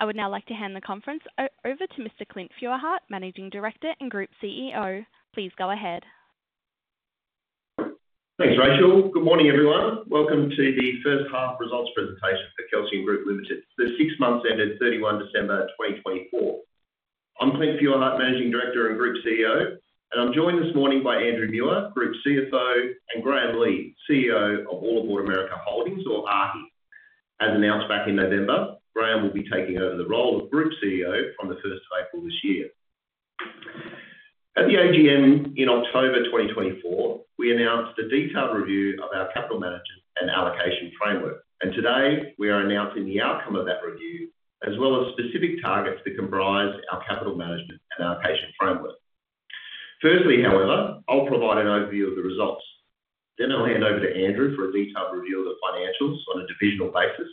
I would now like to hand the conference over to Mr. Clint Feuerherdt, Managing Director and Group CEO. Please go ahead. Thanks, Rachel. Good morning, everyone. Welcome to the first half results presentation for Kelsian Group Limited. The six months ended 31 December 2024. I'm Clint Feuerherdt, Managing Director and Group CEO, and I'm joined this morning by Andrew Muir, Group CFO, and Graeme Legh, CEO of All Aboard America Holdings, or AAAHI. As announced back in November, Graeme will be taking over the role of Group CEO from the 1st of April this year. At the AGM in October 2024, we announced a detailed review of our capital management and allocation framework, and today we are announcing the outcome of that review, as well as specific targets that comprise our capital management and allocation framework. Firstly, however, I'll provide an overview of the results. Then I'll hand over to Andrew for a detailed review of the financials on a divisional basis.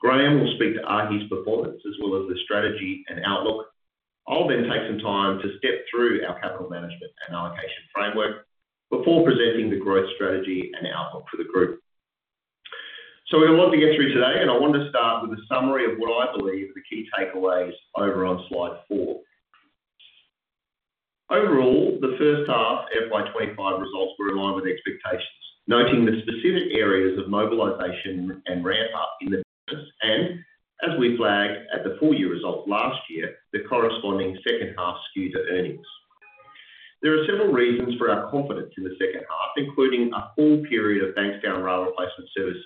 Graeme will speak to AAAHI's performance, as well as the strategy and outlook. I'll then take some time to step through our capital management and allocation framework before presenting the growth strategy and outlook for the group. So we're going to work together through today, and I want to start with a summary of what I believe are the key takeaways over on slide four. Overall, the first half FY25 results were in line with expectations, noting the specific areas of mobilization and ramp-up in the business, and, as we flagged at the full year result last year, the corresponding second half skew to earnings. There are several reasons for our confidence in the second half, including a full period of Bankstown rail replacement services,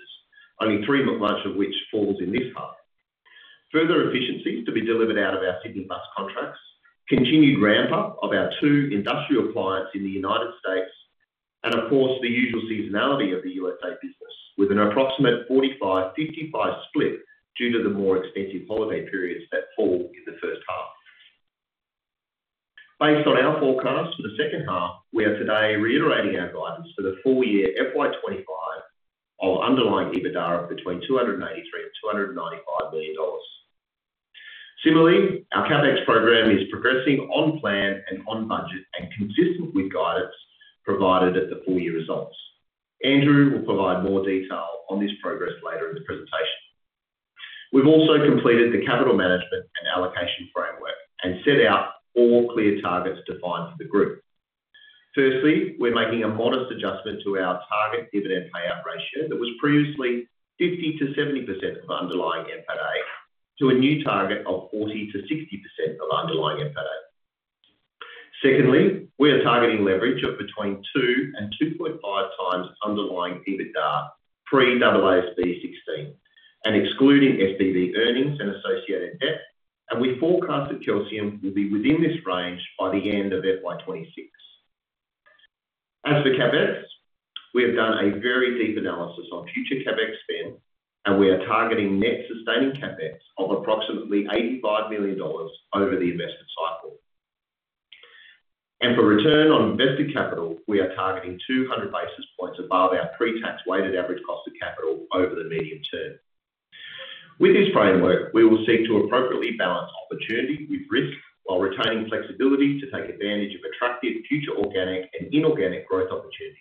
only two months of which falls in this half. Further efficiencies to be delivered out of our Sydney bus contracts, continued ramp-up of our two industrial clients in the United States, and, of course, the usual seasonality of the USA business, with an approximate 45/55 split due to the more extensive holiday periods that fall in the first half. Based on our forecast for the second half, we are today reiterating our guidance for the full year FY25 of underlying EBITDA of between $283 million and $295 million. Similarly, our CapEx program is progressing on plan and on budget and consistent with guidance provided at the full year results. Andrew will provide more detail on this progress later in the presentation. We've also completed the capital management and allocation framework and set out four clear targets defined for the group. Firstly, we're making a modest adjustment to our target dividend payout ratio that was previously 50%-70% of underlying NPATA to a new target of 40%-60% of underlying NPATA. Secondly, we are targeting leverage of between two and 2.5 times underlying EBITDA pre-AASB 16 and excluding SPV earnings and associated debt, and we forecast that Kelsian will be within this range by the end of FY26. As for CapEx, we have done a very deep analysis on future CapEx spend, and we are targeting net sustaining CapEx of approximately 85 million dollars over the investment cycle. And for return on invested capital, we are targeting 200 basis points above our pre-tax weighted average cost of capital over the medium term. With this framework, we will seek to appropriately balance opportunity with risk while retaining flexibility to take advantage of attractive future organic and inorganic growth opportunities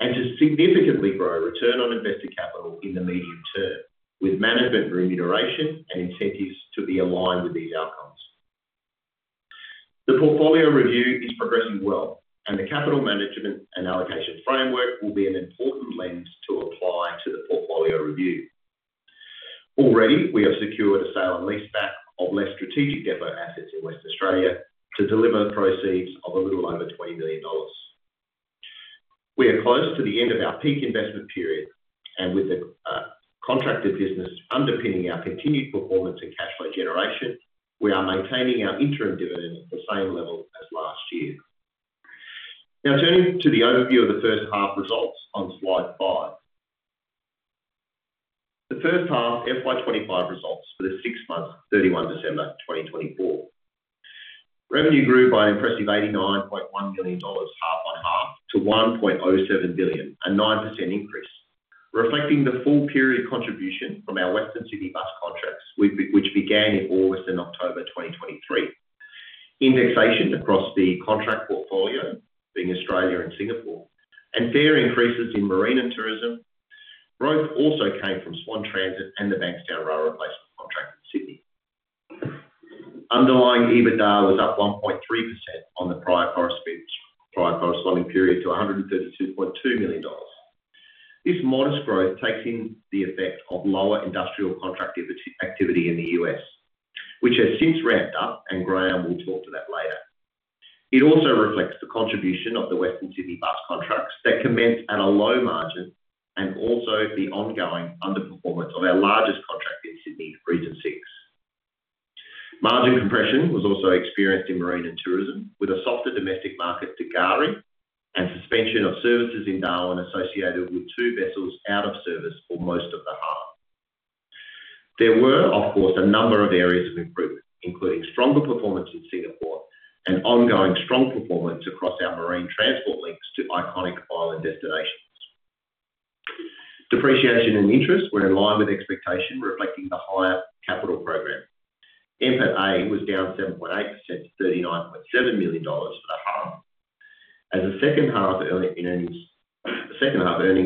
and to significantly grow return on invested capital in the medium term with management remuneration and incentives to be aligned with these outcomes. The portfolio review is progressing well, and the capital management and allocation framework will be an important lens to apply to the portfolio review. Already, we have secured a sale and lease back of less strategic depot assets in Western Australia to deliver proceeds of a little over 20 million dollars. We are close to the end of our peak investment period, and with the contracted business underpinning our continued performance and cash flow generation, we are maintaining our interim dividend at the same level as last year. Now, turning to the overview of the first half results on slide five. The first half FY25 results for the six months, 31 December 2024. Revenue grew by an impressive $89.1 million, half on half, to $1.07 billion, a 9% increase, reflecting the full period contribution from our Western Sydney bus contracts, which began in August and October 2023. Indexation across the contract portfolio, being Australia and Singapore, and fair increases in marine and tourism. Growth also came from Swan Transit and the Bankstown rail replacement contract in Sydney. Underlying EBITDA was up 1.3% on the prior corresponding period to $132.2 million. This modest growth takes in the effect of lower industrial contract activity in the U.S., which has since ramped up, and Graeme will talk to that later. It also reflects the contribution of the Western Sydney bus contracts that commenced at a low margin and also the ongoing underperformance of our largest contract in Sydney, Region 6. Margin compression was also experienced in marine and tourism, with a softer domestic market to K'gari and suspension of services in Darwin associated with two vessels out of service for most of the half. There were, of course, a number of areas of improvement, including stronger performance in Singapore and ongoing strong performance across our marine transport links to iconic island destinations. Depreciation and interest were in line with expectation, reflecting the higher capital program. NPATA was down 7.8% to 39.7 million dollars for the half. As the second half earnings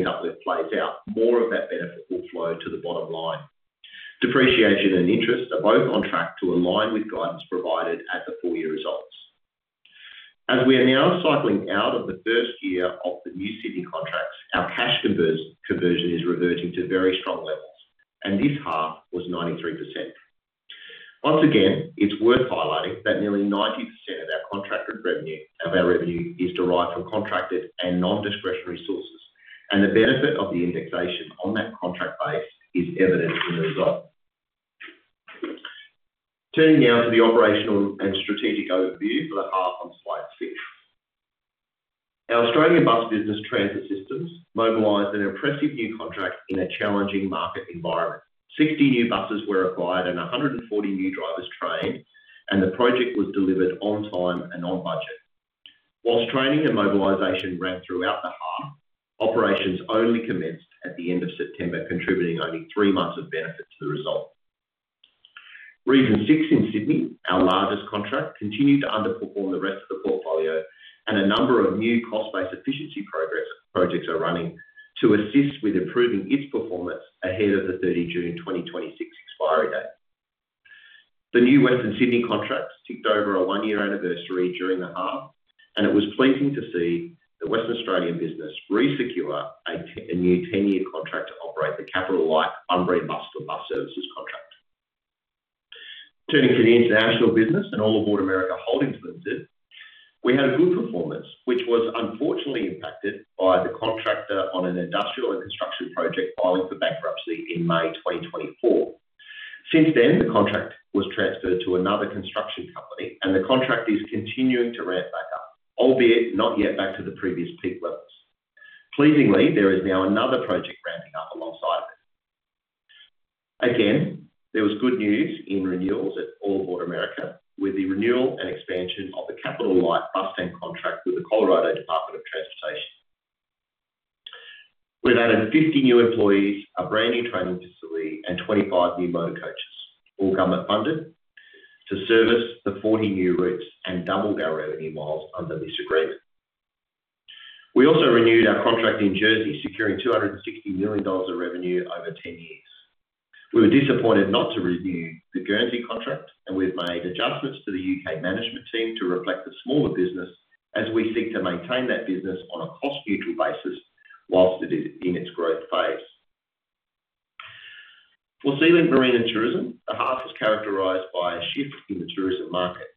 uplift plays out, more of that benefit will flow to the bottom line. Depreciation and interest are both on track to align with guidance provided at the full year results. As we are now cycling out of the first year of the new Sydney contracts, our cash conversion is reverting to very strong levels, and this half was 93%. Once again, it's worth highlighting that nearly 90% of our contracted revenue is derived from contracted and non-discretionary sources, and the benefit of the indexation on that contract base is evident in the result. Turning now to the operational and strategic overview for the half on slide six. Our Australian bus business Transit Systems mobilized an impressive new contract in a challenging market environment. 60 new buses were acquired and 140 new drivers trained, and the project was delivered on time and on budget. While training and mobilization ran throughout the half, operations only commenced at the end of September, contributing only three months of benefit to the result. Region 6 in Sydney, our largest contract, continued to underperform the rest of the portfolio, and a number of new cost-based efficiency projects are running to assist with improving its performance ahead of the 30 June 2026 expiry date. The new Western Sydney contract ticked over a one-year anniversary during the half, and it was pleasing to see the Western Australian business re-secure a new 10-year contract to operate the CAT and Regional Bus Services contract. Turning to the international business and All Aboard America Holdings, we had a good performance, which was unfortunately impacted by the contractor on an industrial and construction project filing for bankruptcy in May 2024. Since then, the contract was transferred to another construction company, and the contract is continuing to ramp back up, albeit not yet back to the previous peak levels. Pleasingly, there is now another project ramping up alongside of it. Again, there was good news in renewals at All Aboard America with the renewal and expansion of the Bustang contract with the Colorado Department of Transportation. We've added 50 new employees, a brand new training facility, and 25 new motor coaches, all government funded, to service the 40 new routes and double our revenue miles under this agreement. We also renewed our contract in Guernsey, securing GBP 260 million of revenue over 10 years. We were disappointed not to renew the Guernsey contract, and we've made adjustments to the UK management team to reflect the smaller business as we seek to maintain that business on a cost-neutral basis while it is in its growth phase. For SeaLink Marine & Tourism, the half was characterized by a shift in the tourism market.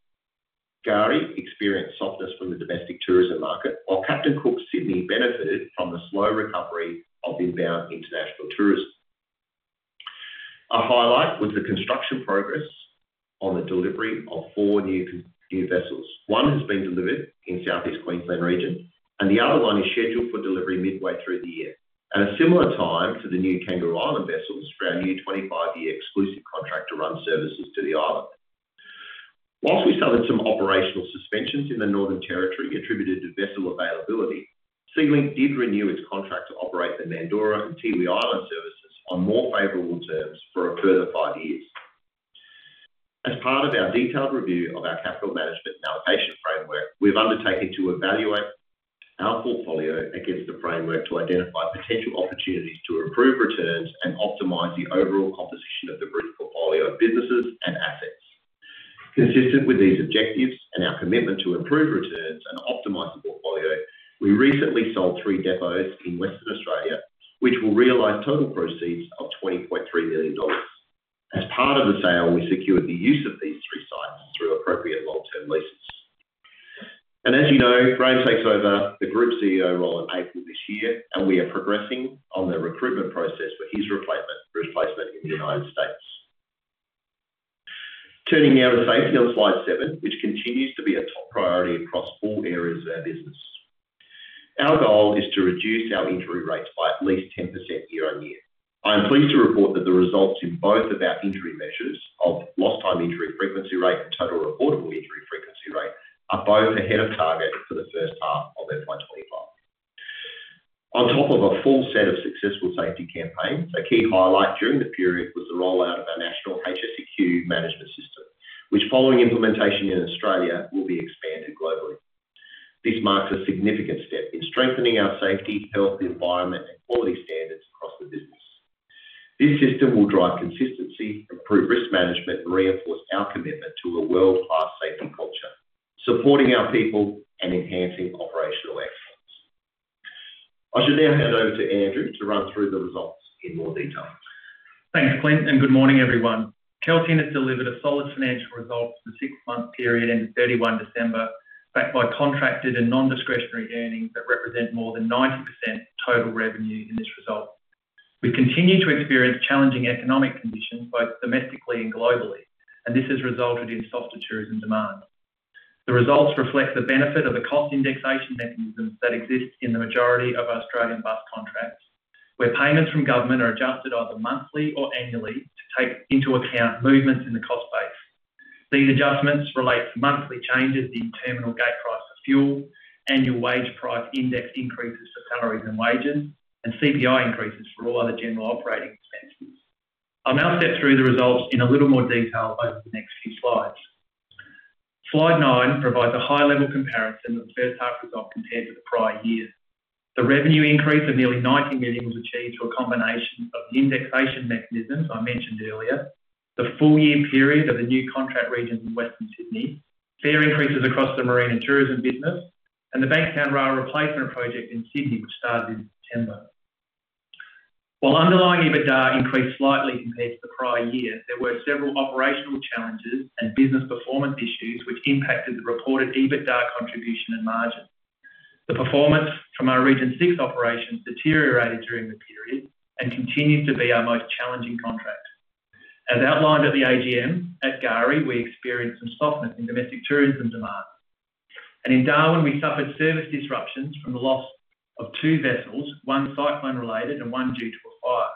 K'gari experienced softness from the domestic tourism market, while Captain Cook Sydney benefited from the slow recovery of inbound international tourism. A highlight was the construction progress on the delivery of four new vessels. One has been delivered in Southeast Queensland region, and the other one is scheduled for delivery midway through the year, at a similar time to the new Kangaroo Island vessels for our new 25-year exclusive contract to run services to the island. While we suffered some operational suspensions in the Northern Territory attributed to vessel availability, SeaLink did renew its contract to operate the Mandurah and Tiwi Islands services on more favorable terms for a further five years. As part of our detailed review of our capital management and allocation framework, we have undertaken to evaluate our portfolio against the framework to identify potential opportunities to improve returns and optimize the overall composition of the brief portfolio of businesses and assets. Consistent with these objectives and our commitment to improve returns and optimize the portfolio, we recently sold three depots in Western Australia, which will realize total proceeds of 20.3 million dollars. As part of the sale, we secured the use of these three sites through appropriate long-term leases, and as you know, Graeme takes over the Group CEO role in April this year, and we are progressing on the recruitment process for his replacement in the United States. Turning now to safety on slide seven, which continues to be a top priority across all areas of our business. Our goal is to reduce our injury rates by at least 10% year-on-year. I am pleased to report that the results in both of our injury measures of lost time injury frequency rate and total recordable injury frequency rate are both ahead of target for the first half of FY25. On top of a full set of successful safety campaigns, a key highlight during the period was the rollout of our national HSEQ management system, which, following implementation in Australia, will be expanded globally. This marks a significant step in strengthening our safety, health, environment, and quality standards across the business. This system will drive consistency, improve risk management, and reinforce our commitment to a world-class safety culture, supporting our people and enhancing operational excellence. I should now hand over to Andrew to run through the results in more detail. Thanks, Clint, and good morning, everyone. Kelsian has delivered a solid financial result for the six-month period ended 31 December, backed by contracted and non-discretionary earnings that represent more than 90% total revenue in this result. We continue to experience challenging economic conditions both domestically and globally, and this has resulted in softer tourism demand. The results reflect the benefit of the cost indexation mechanisms that exist in the majority of Australian bus contracts, where payments from government are adjusted either monthly or annually to take into account movements in the cost base. These adjustments relate to monthly changes in terminal gate price for fuel, annual wage price index increases for salaries and wages, and CPI increases for all other general operating expenses. I'll now step through the results in a little more detail over the next few slides. Slide nine provides a high-level comparison of the first half result compared to the prior year. The revenue increase of nearly 90 million was achieved through a combination of the indexation mechanisms I mentioned earlier, the full year period of the new contract regions in Western Sydney, fare increases across the marine and tourism business, and the Bankstown rail replacement project in Sydney, which started in September. While underlying EBITDA increased slightly compared to the prior year, there were several operational challenges and business performance issues which impacted the reported EBITDA contribution and margin. The performance from our Region 6 operations deteriorated during the period and continues to be our most challenging contract. As outlined at the AGM at K'gari, we experienced some softness in domestic tourism demand. In Darwin, we suffered service disruptions from the loss of two vessels, one cyclone-related and one due to a fire.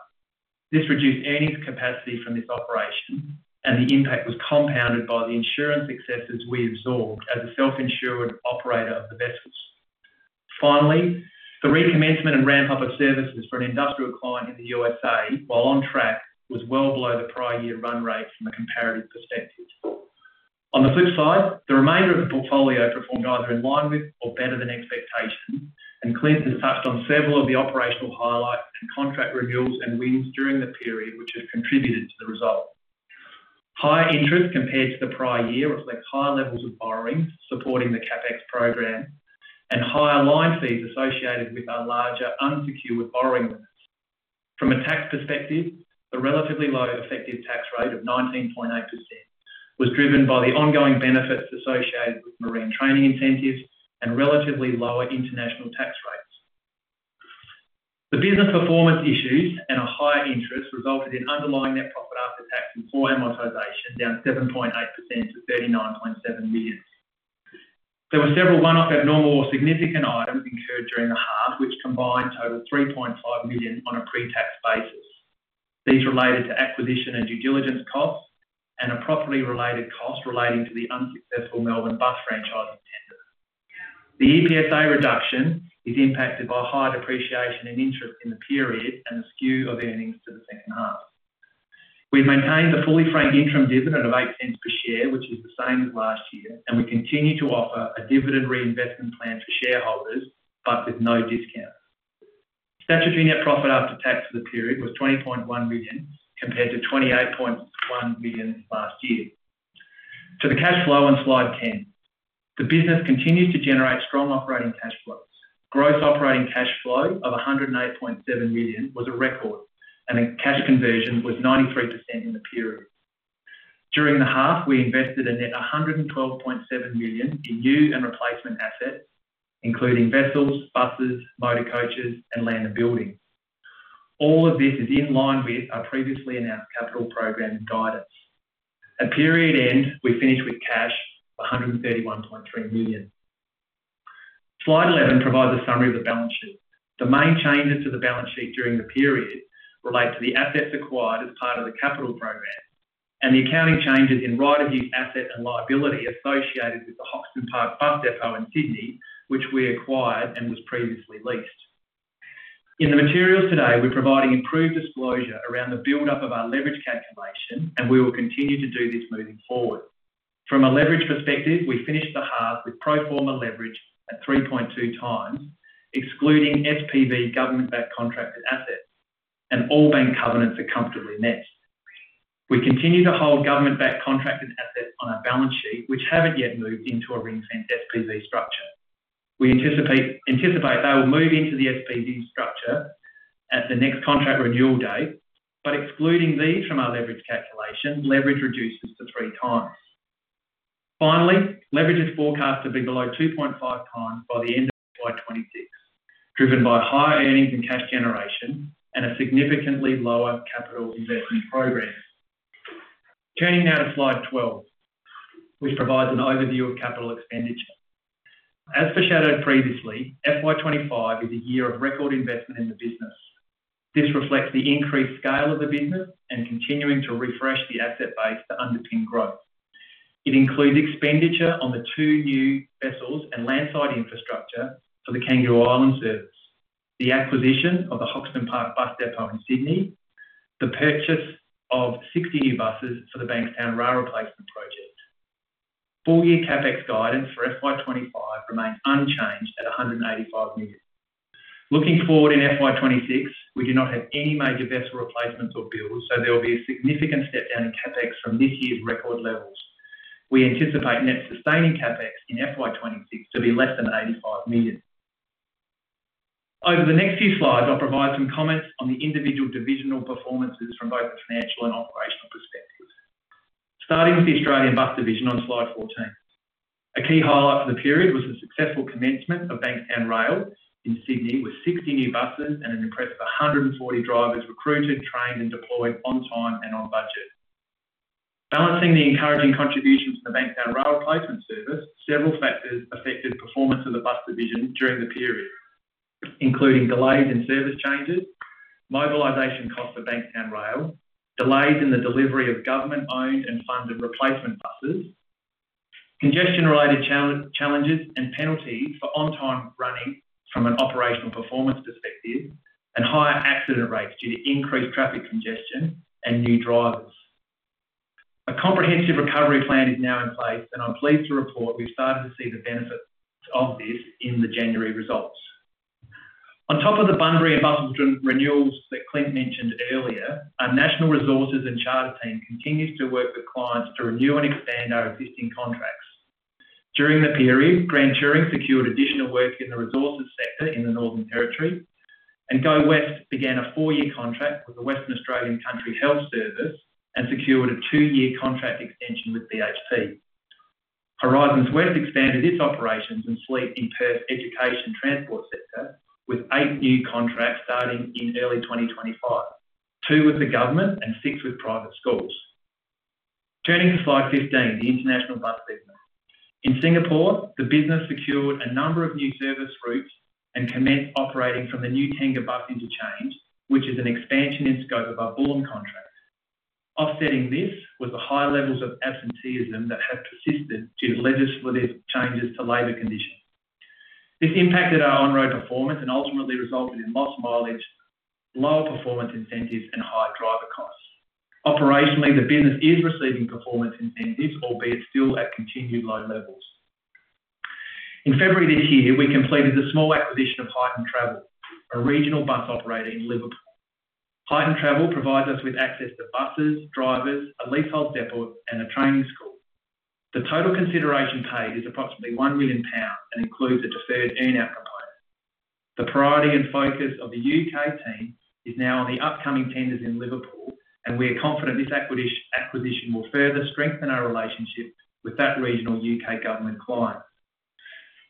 This reduced earnings capacity from this operation, and the impact was compounded by the insurance excesses we absorbed as a self-insured operator of the vessels. Finally, the recommencement and ramp-up of services for an industrial client in the U.S.A., while on track, was well below the prior year run rate from a comparative perspective. On the flip side, the remainder of the portfolio performed either in line with or better than expectations, and Clint has touched on several of the operational highlights and contract renewals and wins during the period which have contributed to the result. High interest compared to the prior year reflects high levels of borrowing supporting the CapEx program and higher line fees associated with our larger unsecured borrowing limits. From a tax perspective, the relatively low effective tax rate of 19.8% was driven by the ongoing benefits associated with marine training incentives and relatively lower international tax rates. The business performance issues and a higher interest resulted in underlying net profit after tax and foreign amortization down 7.8% to 39.7 million. There were several one-off abnormal or significant items incurred during the half, which combined totaled 3.5 million on a pre-tax basis. These related to acquisition and due diligence costs and a property related cost relating to the unsuccessful Melbourne bus franchising tender. The EPSA reduction is impacted by higher depreciation and interest in the period and the skew of earnings to the second half. We've maintained the fully franked interim dividend of 0.08 per share, which is the same as last year, and we continue to offer a dividend reinvestment plan for shareholders, but with no discount. Statutory net profit after tax for the period was 20.1 million compared to 28.1 million last year. To the cash flow on slide 10, the business continues to generate strong operating cash flows. Gross operating cash flow of 108.7 million was a record, and the cash conversion was 93% in the period. During the half, we invested a net 112.7 million in new and replacement assets, including vessels, buses, motor coaches, and land and buildings. All of this is in line with our previously announced capital program guidance. At period end, we finished with cash of 131.3 million. Slide 11 provides a summary of the balance sheet. The main changes to the balance sheet during the period relate to the assets acquired as part of the capital program and the accounting changes in right-of-use asset and liability associated with the Hoxton Park Bus Depot in Sydney, which we acquired and was previously leased. In the materials today, we're providing improved disclosure around the build-up of our leverage calculation, and we will continue to do this moving forward. From a leverage perspective, we finished the half with pro forma leverage at 3.2 times, excluding SPV government-backed contracted assets, and all bank covenants are comfortably met. We continue to hold government-backed contracted assets on our balance sheet, which haven't yet moved into a ring-fenced SPV structure. We anticipate they will move into the SPV structure at the next contract renewal date, but excluding these from our leverage calculation, leverage reduces to three times. Finally, leverage is forecast to be below 2.5 times by the end of FY26, driven by higher earnings and cash generation and a significantly lower capital investment program. Turning now to slide 12, which provides an overview of capital expenditure. As foreshadowed previously, FY25 is a year of record investment in the business. This reflects the increased scale of the business and continuing to refresh the asset base to underpin growth. It includes expenditure on the two new vessels and landside infrastructure for the Kangaroo Island service, the acquisition of the Hoxton Park Bus Depot in Sydney, the purchase of 60 new buses for the Bankstown Rail Replacement Project. Full year CapEx guidance for FY25 remains unchanged at 185 million. Looking forward in FY26, we do not have any major vessel replacements or bills, so there will be a significant step down in CapEx from this year's record levels. We anticipate net sustaining CapEx in FY26 to be less than 85 million. Over the next few slides, I'll provide some comments on the individual divisional performances from both the financial and operational perspectives. Starting with the Australian bus division on slide 14, a key highlight for the period was the successful commencement of Bankstown Rail in Sydney with 60 new buses and an impressive 140 drivers recruited, trained, and deployed on time and on budget. Balancing the encouraging contributions from the Bankstown Rail Replacement Service, several factors affected performance of the bus division during the period, including delays in service changes, mobilization costs for Bankstown Rail, delays in the delivery of government-owned and funded replacement buses, congestion-related challenges and penalties for on-time running from an operational performance perspective, and higher accident rates due to increased traffic congestion and new drivers. A comprehensive recovery plan is now in place, and I'm pleased to report we've started to see the benefits of this in the January results. On top of the boundary and bus renewals that Clint mentioned earlier, our national resources and charter team continues to work with clients to renew and expand our existing contracts. During the period, Grand Touring secured additional work in the resources sector in the Northern Territory, and Go West began a four-year contract with the Western Australian Country Health Service and secured a two-year contract extension with BHP. Horizons West expanded its operations and sleep in Perth's education transport sector with eight new contracts starting in early 2025, two with the government and six with private schools. Turning to slide 15, the international bus business. In Singapore, the business secured a number of new service routes and commenced operating from the new Tengah bus interchange, which is an expansion in scope of our Bulim contract. Offsetting this was the high levels of absenteeism that have persisted due to legislative changes to labor conditions. This impacted our on-road performance and ultimately resulted in lost mileage, lower performance incentives, and higher driver costs. Operationally, the business is receiving performance incentives, albeit still at continued low levels. In February this year, we completed the small acquisition of Huyton Travel, a regional bus operator in Liverpool. Huyton Travel provides us with access to buses, drivers, a leasehold depot, and a training school. The total consideration paid is approximately 1 million pounds and includes a deferred earnout component. The priority and focus of the U.K. team is now on the upcoming tenders in Liverpool, and we are confident this acquisition will further strengthen our relationship with that regional U.K. government client.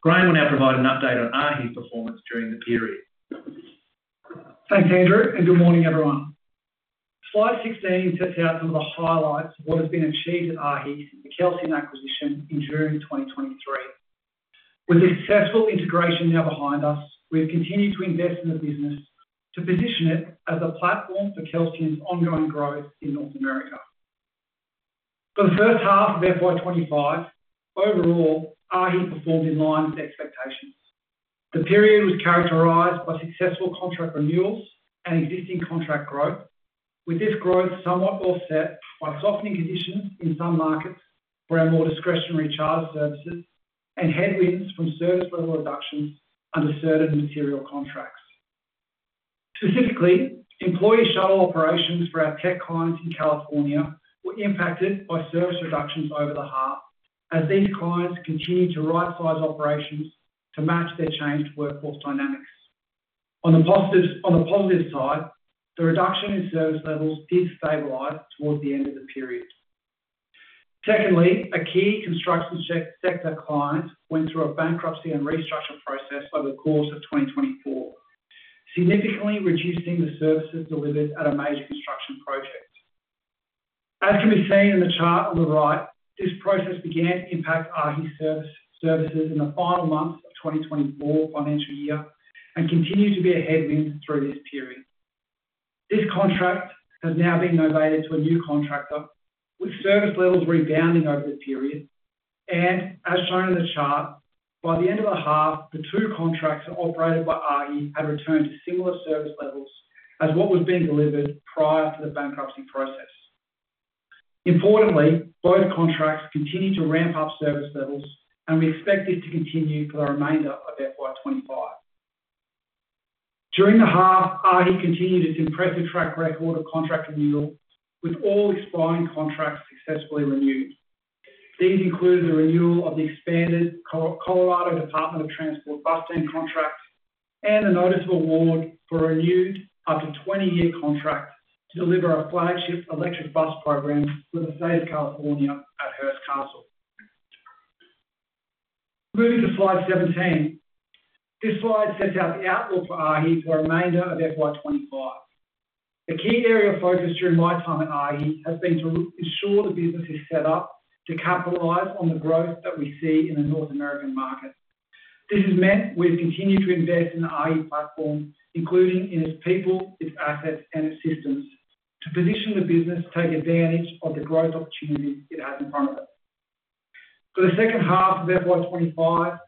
Graeme will now provide an update on AAAHI's performance during the period. Thanks, Andrew, and good morning, everyone. Slide 16 sets out some of the highlights of what has been achieved at AAAHI and the Kelsian acquisition in June 2023. With successful integration now behind us, we've continued to invest in the business to position it as a platform for Kelsian's ongoing growth in North America. For the first half of FY25, overall, AAAHI performed in line with expectations. The period was characterized by successful contract renewals and existing contract growth, with this growth somewhat offset by softening conditions in some markets for our more discretionary charter services and headwinds from service level reductions under certain material contracts. Specifically, employee shuttle operations for our tech clients in California were impacted by service reductions over the half, as these clients continue to right-size operations to match their changed workforce dynamics. On the positive side, the reduction in service levels did stabilize towards the end of the period. Secondly, a key construction sector client went through a bankruptcy and restructuring process over the course of 2024, significantly reducing the services delivered at a major construction project. As can be seen in the chart on the right, this process began to impact AAAHI's services in the final months of 2024 financial year and continued to be a headwind through this period. This contract has now been novated to a new contractor, with service levels rebounding over the period. And as shown in the chart, by the end of the half, the two contracts operated by AAAHI had returned to similar service levels as what was being delivered prior to the bankruptcy process. Importantly, both contracts continue to ramp up service levels, and we expect this to continue for the remainder of FY25. During the half, AAAHI continued its impressive track record of contract renewal, with all expiring contracts successfully renewed. These included the renewal of the expanded Colorado Department of Transportation Bustang contract and the notice of award for a renewed up to 20-year contract to deliver a flagship electric bus program for the state of California at Hearst Castle. Moving to slide 17, this slide sets out the outlook for AAAHI for the remainder of FY25. A key area of focus during my time at AAAHI has been to ensure the business is set up to capitalize on the growth that we see in the North American market. This has meant we've continued to invest in the AAAHI platform, including in its people, its assets, and its systems, to position the business to take advantage of the growth opportunities it has in front of it. For the second half of FY25,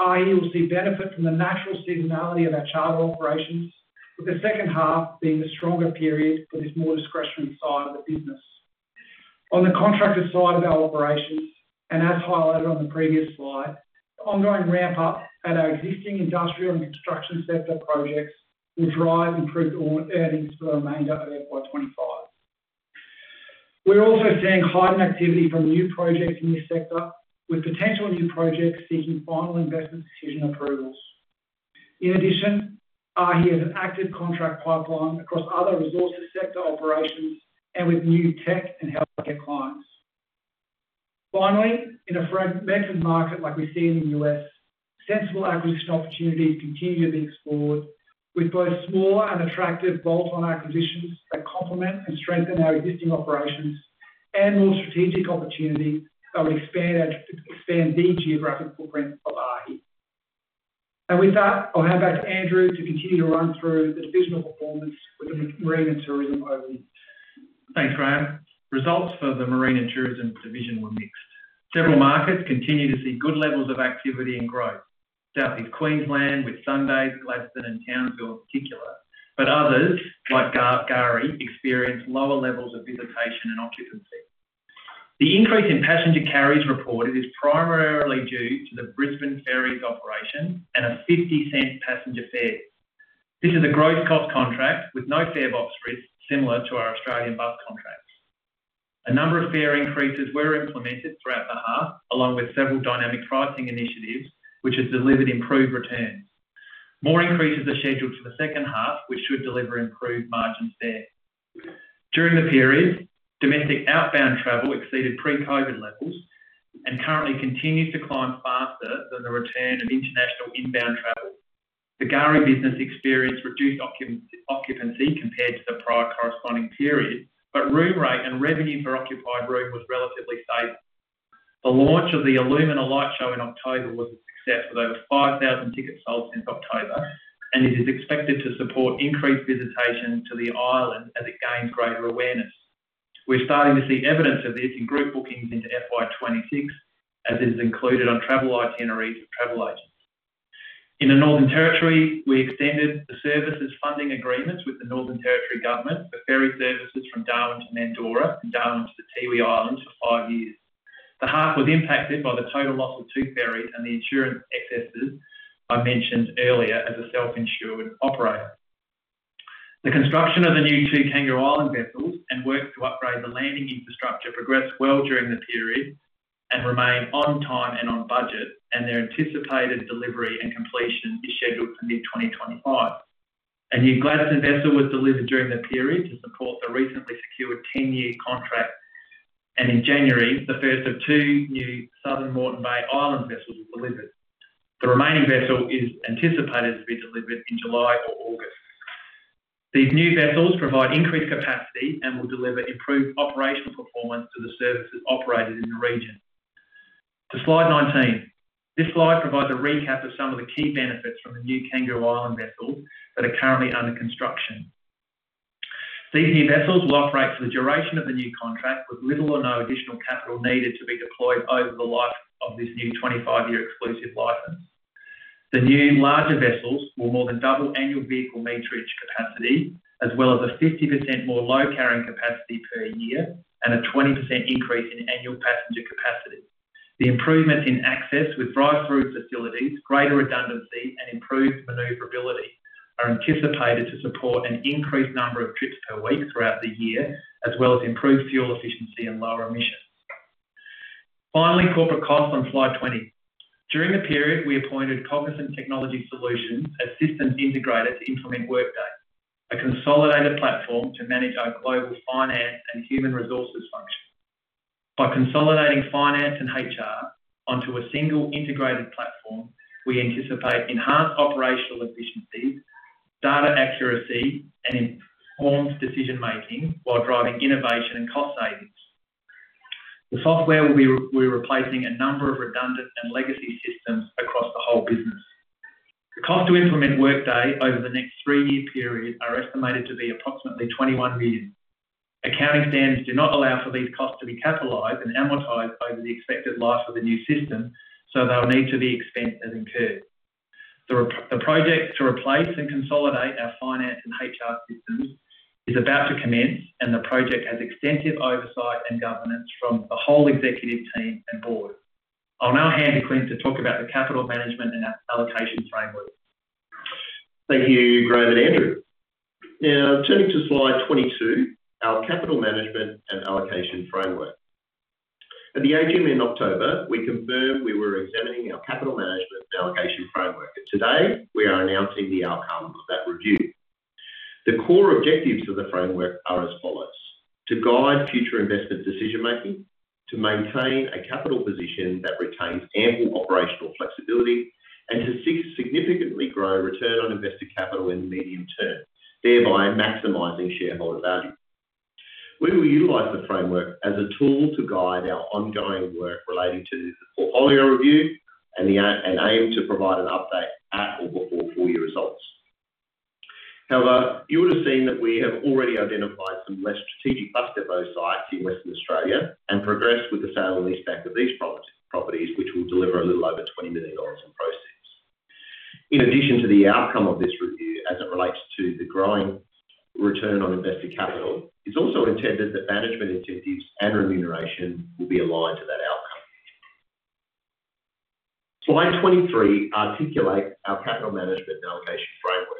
AAAHI will see benefit from the natural seasonality of our charter operations, with the second half being the stronger period for this more discretionary side of the business. On the contractor side of our operations, and as highlighted on the previous slide, the ongoing ramp-up at our existing industrial and construction sector projects will drive improved earnings for the remainder of FY25. We're also seeing heightened activity from new projects in this sector, with potential new projects seeking final investment decision approvals. In addition, AAAHI has an active contract pipeline across other resources sector operations and with new tech and healthcare clients. Finally, in a fragmented market like we see in the U.S., sensible acquisition opportunities continue to be explored, with both smaller and attractive bolt-on acquisitions that complement and strengthen our existing operations and more strategic opportunities that will expand the geographic footprint of AAAHI, and with that, I'll hand back to Andrew to continue to run through the divisional performance with the marine and tourism overview. Thanks, Graeme. Results for the marine and tourism division were mixed. Several markets continue to see good levels of activity and growth, southeast Queensland, Whitsundays, Gladstone and Townsville in particular, but others like K'gari experience lower levels of visitation and occupancy. The increase in passenger carries reported is primarily due to the Brisbane ferries operation and a 50-cent passenger fare. This is a gross cost contract with no fare box risk similar to our Australian bus contracts. A number of fare increases were implemented throughout the half, along with several dynamic pricing initiatives, which have delivered improved returns. More increases are scheduled for the second half, which should deliver improved margins there. During the period, domestic outbound travel exceeded pre-COVID levels and currently continues to climb faster than the return of international inbound travel. The K'gari business experienced reduced occupancy compared to the prior corresponding period, but room rate and revenue for occupied room was relatively stable. The launch of the Illumina light show in October was a success with over 5,000 tickets sold since October, and it is expected to support increased visitation to the island as it gains greater awareness. We're starting to see evidence of this in group bookings into FY26, as it is included on travel itineraries with travel agents. In the Northern Territory, we extended the services funding agreements with the Northern Territory government for ferry services from Darwin to Mandurah and Darwin to the Tiwi Islands for five years. The half was impacted by the total loss of two ferries and the insurance excesses I mentioned earlier as a self-insured operator. The construction of the new two Kangaroo Island vessels and work to upgrade the landing infrastructure progressed well during the period and remained on time and on budget, and their anticipated delivery and completion is scheduled for mid-2025. A new Gladstone vessel was delivered during the period to support the recently secured 10-year contract, and in January, the first of two new Southern Moreton Bay Island vessels were delivered. The remaining vessel is anticipated to be delivered in July or August. These new vessels provide increased capacity and will deliver improved operational performance to the services operated in the region. To slide 19, this slide provides a recap of some of the key benefits from the new Kangaroo Island vessels that are currently under construction. These new vessels will operate for the duration of the new contract with little or no additional capital needed to be deployed over the life of this new 25-year exclusive license. The new larger vessels will more than double annual vehicle meterage capacity, as well as a 50% more load carrying capacity per year and a 20% increase in annual passenger capacity. The improvements in access with drive-through facilities, greater redundancy, and improved maneuverability are anticipated to support an increased number of trips per week throughout the year, as well as improved fuel efficiency and lower emissions. Finally, corporate costs on slide 20. During the period, we appointed Cognizant Technology Solutions as systems integrator to implement Workday, a consolidated platform to manage our global finance and human resources function. By consolidating finance and HR onto a single integrated platform, we anticipate enhanced operational efficiencies, data accuracy, and informed decision-making while driving innovation and cost savings. The software will be replacing a number of redundant and legacy systems across the whole business. The cost to implement Workday over the next three-year period is estimated to be approximately 21 million. Accounting standards do not allow for these costs to be capitalized and amortized over the expected life of the new system, so they'll need to be expensed as incurred. The project to replace and consolidate our finance and HR systems is about to commence, and the project has extensive oversight and governance from the whole executive team and board. I'll now hand to Clint to talk about the capital management and allocation framework. Thank you, Graeme and Andrew. Now, turning to slide 22, our capital management and allocation framework. At the AGM in October, we confirmed we were examining our capital management and allocation framework, and today we are announcing the outcome of that review. The core objectives of the framework are as follows: to guide future investment decision-making, to maintain a capital position that retains ample operational flexibility, and to significantly grow return on invested capital in the medium term, thereby maximizing shareholder value. We will utilize the framework as a tool to guide our ongoing work relating to the portfolio review and aim to provide an update at or before full-year results. However, you would have seen that we have already identified some less strategic bus depot sites in Western Australia and progressed with the sale and leaseback of these properties, which will deliver a little over 20 million dollars in proceeds. In addition to the outcome of this review, as it relates to the growing return on invested capital, it's also intended that management incentives and remuneration will be aligned to that outcome. Slide 23 articulates our capital management and allocation framework.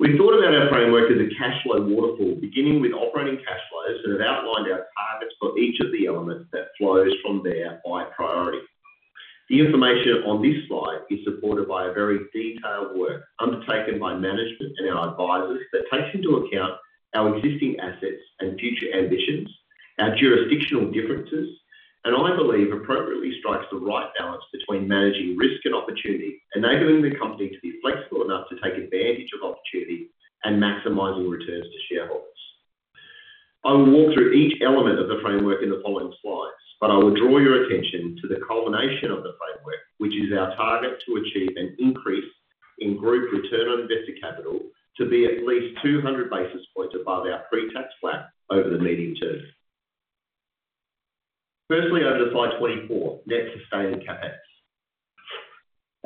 We thought about our framework as a cashflow waterfall, beginning with operating cash flows and have outlined our targets for each of the elements that flows from there by priority. The information on this slide is supported by very detailed work undertaken by management and our advisors that takes into account our existing assets and future ambitions, our jurisdictional differences, and I believe appropriately strikes the right balance between managing risk and opportunity and enabling the company to be flexible enough to take advantage of opportunity and maximizing returns to shareholders. I will walk through each element of the framework in the following slides, but I will draw your attention to the culmination of the framework, which is our target to achieve an increase in group return on invested capital to be at least 200 basis points above our pre-tax WACC over the medium term. Firstly, over to slide 24, net sustaining CapEx.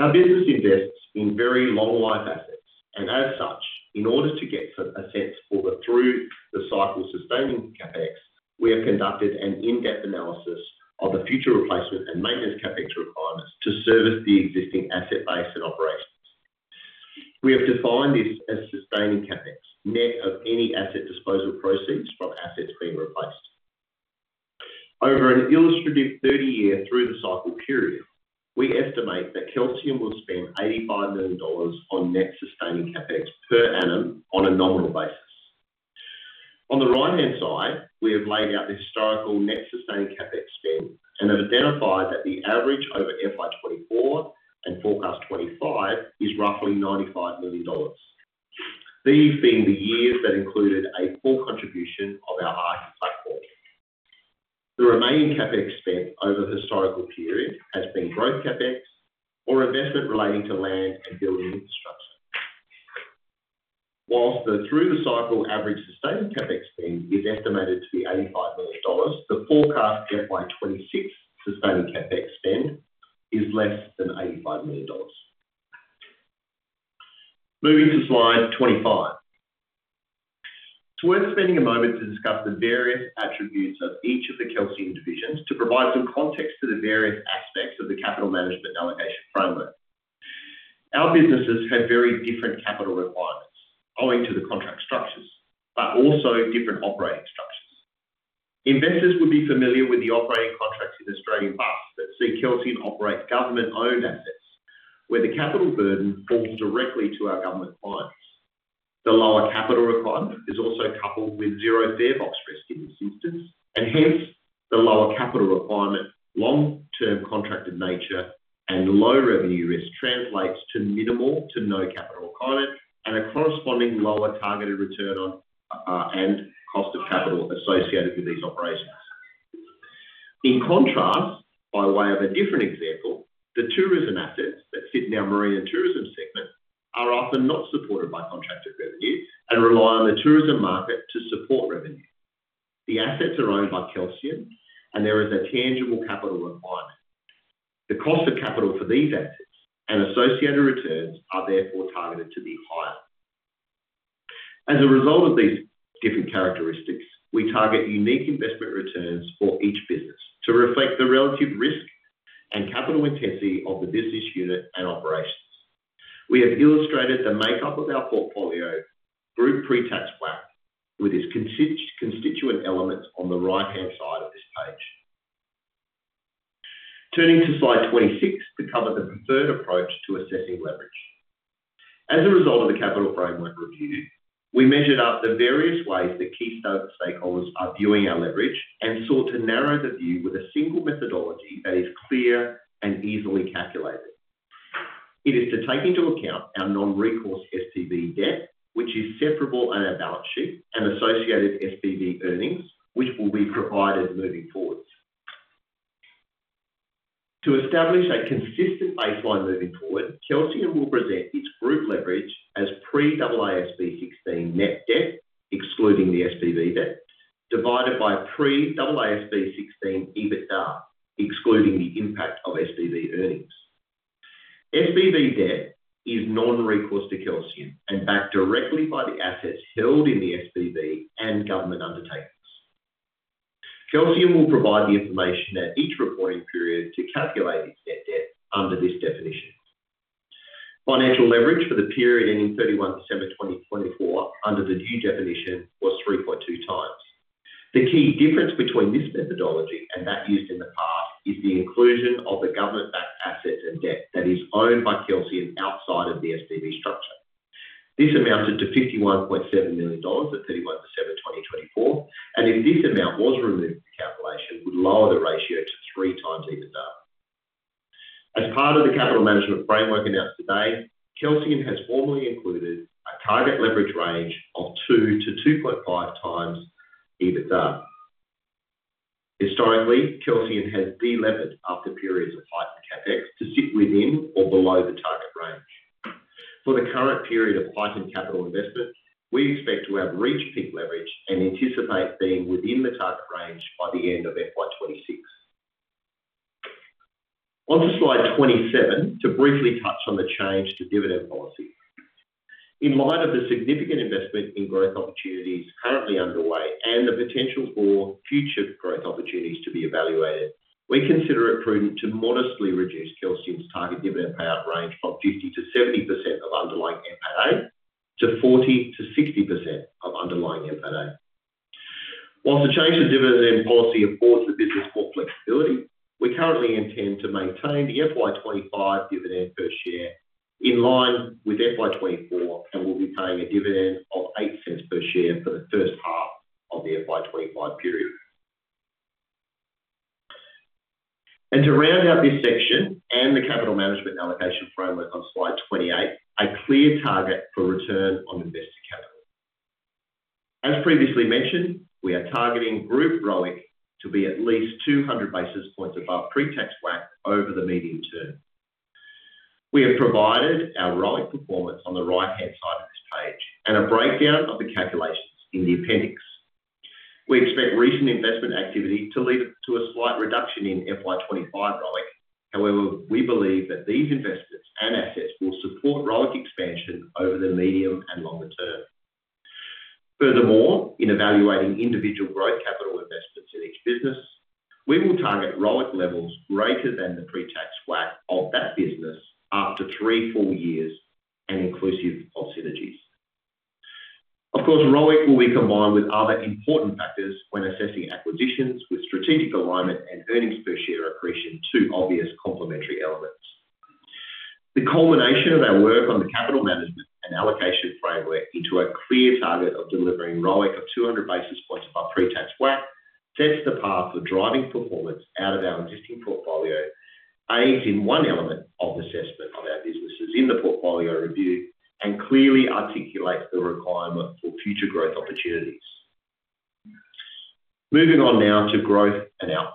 Our business invests in very long-life assets, and as such, in order to get a sense for the through-the-cycle sustaining CapEx, we have conducted an in-depth analysis of the future replacement and maintenance CapEx requirements to service the existing asset base and operations. We have defined this as sustaining CapEx, net of any asset disposal proceeds from assets being replaced. Over an illustrative 30-year through-the-cycle period, we estimate that Kelsian will spend 85 million dollars on net sustaining CapEx per annum on a nominal basis. On the right-hand side, we have laid out the historical net sustaining CapEx spend and have identified that the average over FY24 and forecast 25 is roughly 95 million dollars, these being the years that included a full contribution of our AAAHI platform. The remaining CapEx spent over the historical period has been growth CapEx or investment relating to land and building infrastructure. While the through-the-cycle average sustaining CapEx spend is estimated to be 85 million dollars, the forecast FY26 sustaining CapEx spend is less than 85 million dollars. Moving to slide 25. It's worth spending a moment to discuss the various attributes of each of the Kelsian divisions to provide some context to the various aspects of the capital management and allocation framework. Our businesses have very different capital requirements owing to the contract structures, but also different operating structures. Investors would be familiar with the operating contracts in Australian bus that see Kelsian operate government-owned assets, where the capital burden falls directly to our government clients. The lower capital requirement is also coupled with zero fare box risk in this instance, and hence the lower capital requirement, long-term contracted nature, and low revenue risk translates to minimal to no capital requirement and a corresponding lower targeted return on and cost of capital associated with these operations. In contrast, by way of a different example, the tourism assets that sit in our marine and tourism segment are often not supported by contracted revenue and rely on the tourism market to support revenue. The assets are owned by Kelsian, and there is a tangible capital requirement. The cost of capital for these assets and associated returns are therefore targeted to be higher. As a result of these different characteristics, we target unique investment returns for each business to reflect the relative risk and capital intensity of the business unit and operations. We have illustrated the makeup of our portfolio group pre-tax WACC with its constituent elements on the right-hand side of this page. Turning to slide 26 to cover the preferred approach to assessing leverage. As a result of the capital framework review, we measured out the various ways that key stakeholders are viewing our leverage and sought to narrow the view with a single methodology that is clear and easily calculated. It is to take into account our non-recourse SPV debt, which is separable on our balance sheet, and associated SPV earnings, which will be provided moving forward. To establish a consistent baseline moving forward, Kelsian will present its group leverage as pre-AASB 16 net debt, excluding the SPV debt, divided by pre-AASB 16 EBITDA, excluding the impact of SPV earnings. SPV debt is non-recourse to Kelsian and backed directly by the assets held in the SPV and government undertakings. Kelsian will provide the information at each reporting period to calculate its net debt under this definition. Financial leverage for the period ending 31 December 2024 under the new definition was 3.2 times. The key difference between this methodology and that used in the past is the inclusion of the government-backed assets and debt that is owned by Kelsian outside of the SPV structure. This amounted to 51.7 million dollars at 31 December 2024, and if this amount was removed from the calculation, it would lower the ratio to three times EBITDA. As part of the capital management framework announced today, Kelsian has formally included a target leverage range of two-2.5 times EBITDA. Historically, Kelsian has de-levered after periods of heightened CapEx to sit within or below the target range. For the current period of heightened capital investment, we expect to have reached peak leverage and anticipate being within the target range by the end of FY26. Onto slide 27 to briefly touch on the change to dividend policy. In light of the significant investment in growth opportunities currently underway and the potential for future growth opportunities to be evaluated, we consider it prudent to modestly reduce Kelsian's target dividend payout range from 50%-70% of underlying NPATA to 40%-60% of underlying NPATA. While the change to dividend policy affords the business more flexibility, we currently intend to maintain the FY25 dividend per share in line with FY24 and will be paying a dividend of 0.08 per share for the first half of the FY25 period. And to round out this section and the capital management and allocation framework on slide 28, a clear target for return on invested capital. As previously mentioned, we are targeting group ROIC to be at least 200 basis points above pre-tax WACC over the medium term. We have provided our ROIC performance on the right-hand side of this page and a breakdown of the calculations in the appendix. We expect recent investment activity to lead to a slight reduction in FY25 ROIC. However, we believe that these investments and assets will support ROIC expansion over the medium and longer term. Furthermore, in evaluating individual growth capital investments in each business, we will target ROIC levels greater than the pre-tax WACC of that business after three full years and inclusive of synergies. Of course, ROIC will be combined with other important factors when assessing acquisitions with strategic alignment and earnings per share accretion to obvious complementary elements. The culmination of our work on the capital management and allocation framework into a clear target of delivering ROIC of 200 basis points above pre-tax WACC sets the path for driving performance out of our existing portfolio, aids in one element of assessment of our businesses in the portfolio review, and clearly articulates the requirement for future growth opportunities. Moving on now to growth and outlook.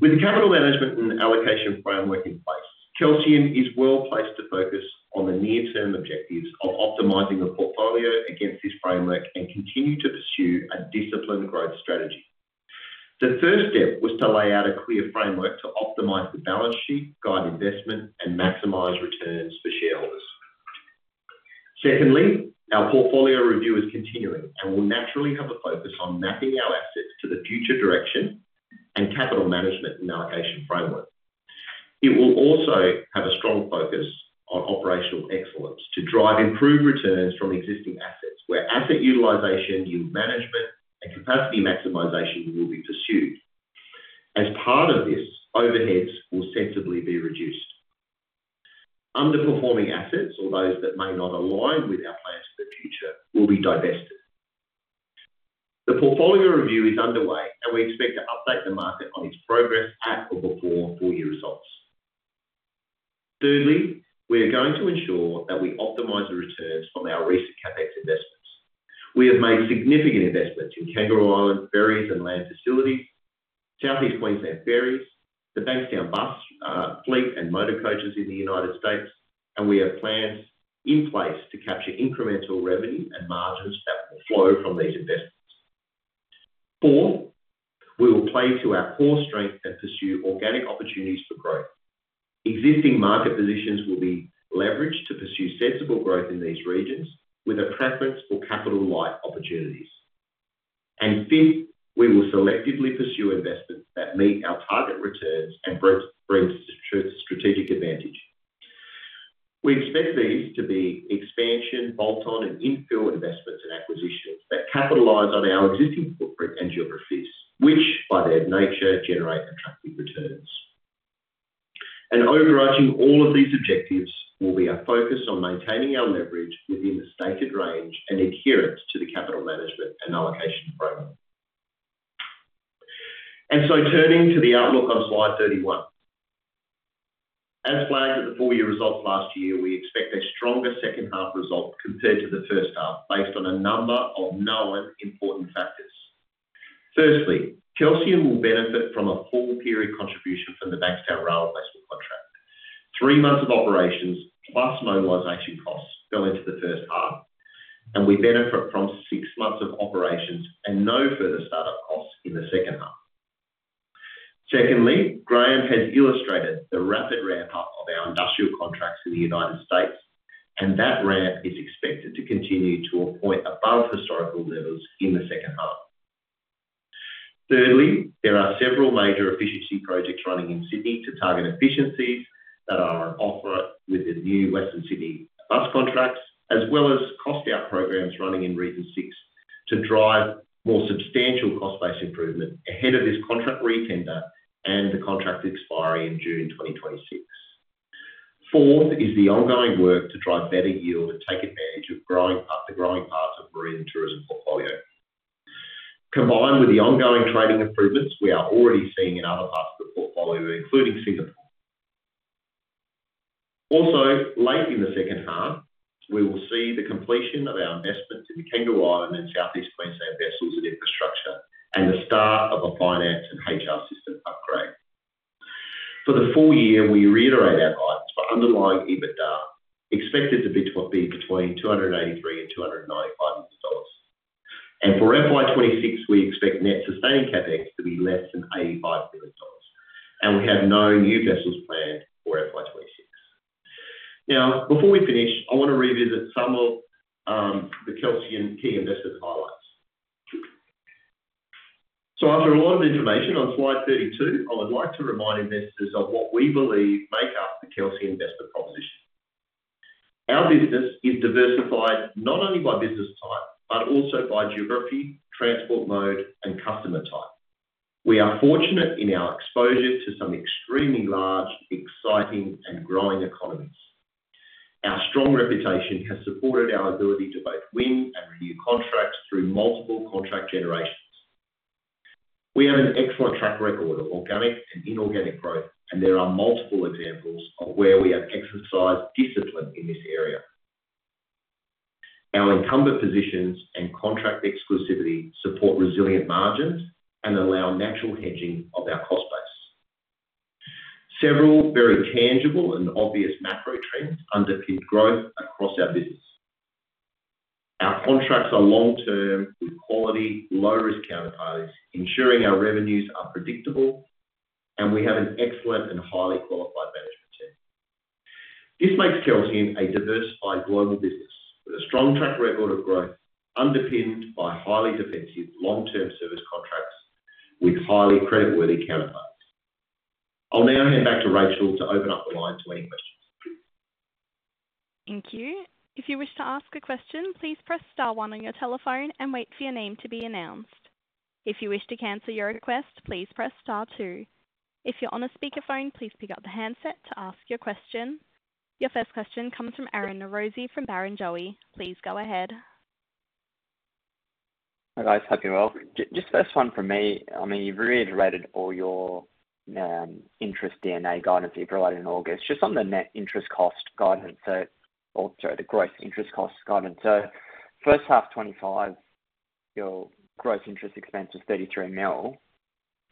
With the capital management and allocation framework in place, Kelsian is well placed to focus on the near-term objectives of optimizing the portfolio against this framework and continue to pursue a disciplined growth strategy. The first step was to lay out a clear framework to optimize the balance sheet, guide investment, and maximize returns for shareholders. Secondly, our portfolio review is continuing and will naturally have a focus on mapping our assets to the future direction and capital management and allocation framework. It will also have a strong focus on operational excellence to drive improved returns from existing assets where asset utilization, yield management, and capacity maximization will be pursued. As part of this, overheads will sensibly be reduced. Underperforming assets or those that may not align with our plans for the future will be divested. The portfolio review is underway, and we expect to update the market on its progress at or before full-year results. Thirdly, we are going to ensure that we optimize the returns from our recent CapEx investments. We have made significant investments in Kangaroo Island, ferries, and land facilities, Southeast Queensland ferries, the Bankstown bus fleet, and motor coaches in the United States, and we have plans in place to capture incremental revenue and margins that will flow from these investments. Fourth, we will play to our core strength and pursue organic opportunities for growth. Existing market positions will be leveraged to pursue sensible growth in these regions with a preference for capital-light opportunities. And fifth, we will selectively pursue investments that meet our target returns and bring strategic advantage. We expect these to be expansion, bolt-on, and infill investments and acquisitions that capitalize on our existing footprint and geographies, which by their nature generate attractive returns. And overarching all of these objectives will be a focus on maintaining our leverage within the stated range and adherence to the capital management and allocation framework. And so turning to the outlook on slide 31. As flagged at the full-year results last year, we expect a stronger second half result compared to the first half based on a number of known important factors. Firstly, Kelsian will benefit from a full period contribution from the Bankstown Rail Replacement contract. Three months of operations plus mobilization costs go into the first half, and we benefit from six months of operations and no further startup costs in the second half. Secondly, Graeme has illustrated the rapid ramp-up of our industrial contracts in the United States, and that ramp is expected to continue to a point above historical levels in the second half. Thirdly, there are several major efficiency projects running in Sydney to target efficiencies that are on offer with the new Western Sydney bus contracts, as well as cost-out programs running in Region 6 to drive more substantial cost-based improvement ahead of this contract re-tender and the contract expiry in June 2026. Fourth is the ongoing work to drive better yield and take advantage of the growing parts of the marine and tourism portfolio. Combined with the ongoing trading improvements we are already seeing in other parts of the portfolio, including Singapore. Also, late in the second half, we will see the completion of our investment in the Kangaroo Island and Southeast Queensland vessels and infrastructure and the start of a finance and HR system upgrade. For the full year, we reiterate our guidance for underlying EBITDA expected to be between 283 million and 295 million dollars. For FY26, we expect net sustaining CapEx to be less than 85 million dollars, and we have no new vessels planned for FY26. Now, before we finish, I want to revisit some of the Kelsian key investment highlights. After a lot of information on slide 32, I would like to remind investors of what we believe make up the Kelsian investment proposition. Our business is diversified not only by business type but also by geography, transport mode, and customer type. We are fortunate in our exposure to some extremely large, exciting, and growing economies. Our strong reputation has supported our ability to both win and renew contracts through multiple contract generations. We have an excellent track record of organic and inorganic growth, and there are multiple examples of where we have exercised discipline in this area. Our incumbent positions and contract exclusivity support resilient margins and allow natural hedging of our cost base. Several very tangible and obvious macro trends underpin growth across our business. Our contracts are long-term with quality, low-risk counterparties, ensuring our revenues are predictable, and we have an excellent and highly qualified management team. This makes Kelsian a diversified global business with a strong track record of growth underpinned by highly defensive long-term service contracts with highly creditworthy counterparties. I'll now hand back to Rachel to open up the line to any questions. Thank you. If you wish to ask a question, please press star one on your telephone and wait for your name to be announced. If you wish to cancel your request, please press star two. If you're on a speakerphone, please pick up the handset to ask your question. Your first question comes from Aryan Norozi from Barrenjoey. Please go ahead. Hi guys, hope you're well. Just first one for me, I mean, you've reiterated all your interim guidance that you provided in August, just on the net interest cost guidance, or sorry, the gross interest cost guidance. So first half 2025, your gross interest expense was 33 million,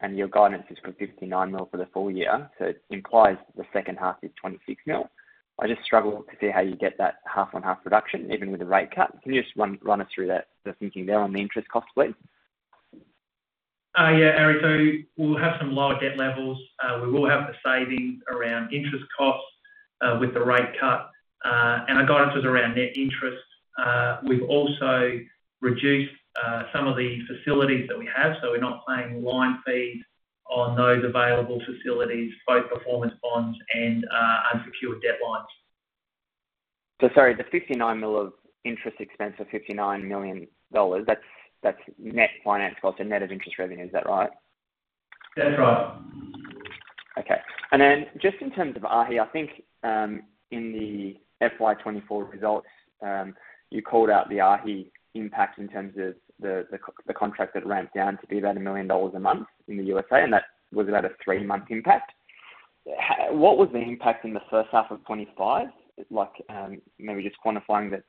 and your guidance is for 59 million for the full year, so it implies the second half is 26 million. I just struggle to see how you get that half-on-half reduction even with the rate cut. Can you just run us through the thinking there on the interest cost, please? Yeah, Aryan, so we'll have some lower debt levels. We will have the savings around interest costs with the rate cut, and our guidance was around net interest. We've also reduced some of the facilities that we have, so we're not paying line fees on those available facilities, both performance bonds and unsecured debt lines. So sorry, the $59 million of interest expense for $59 million, that's net finance costs and net of interest revenue, is that right? That's right. Okay. And then just in terms of AAAHI, I think in the FY24 results, you called out the AAAHI impact in terms of the contract that ramped down to be about $1 million a month in the U.S.A., and that was about a three-month impact. What was the impact in the first half of 2025? Maybe just quantifying that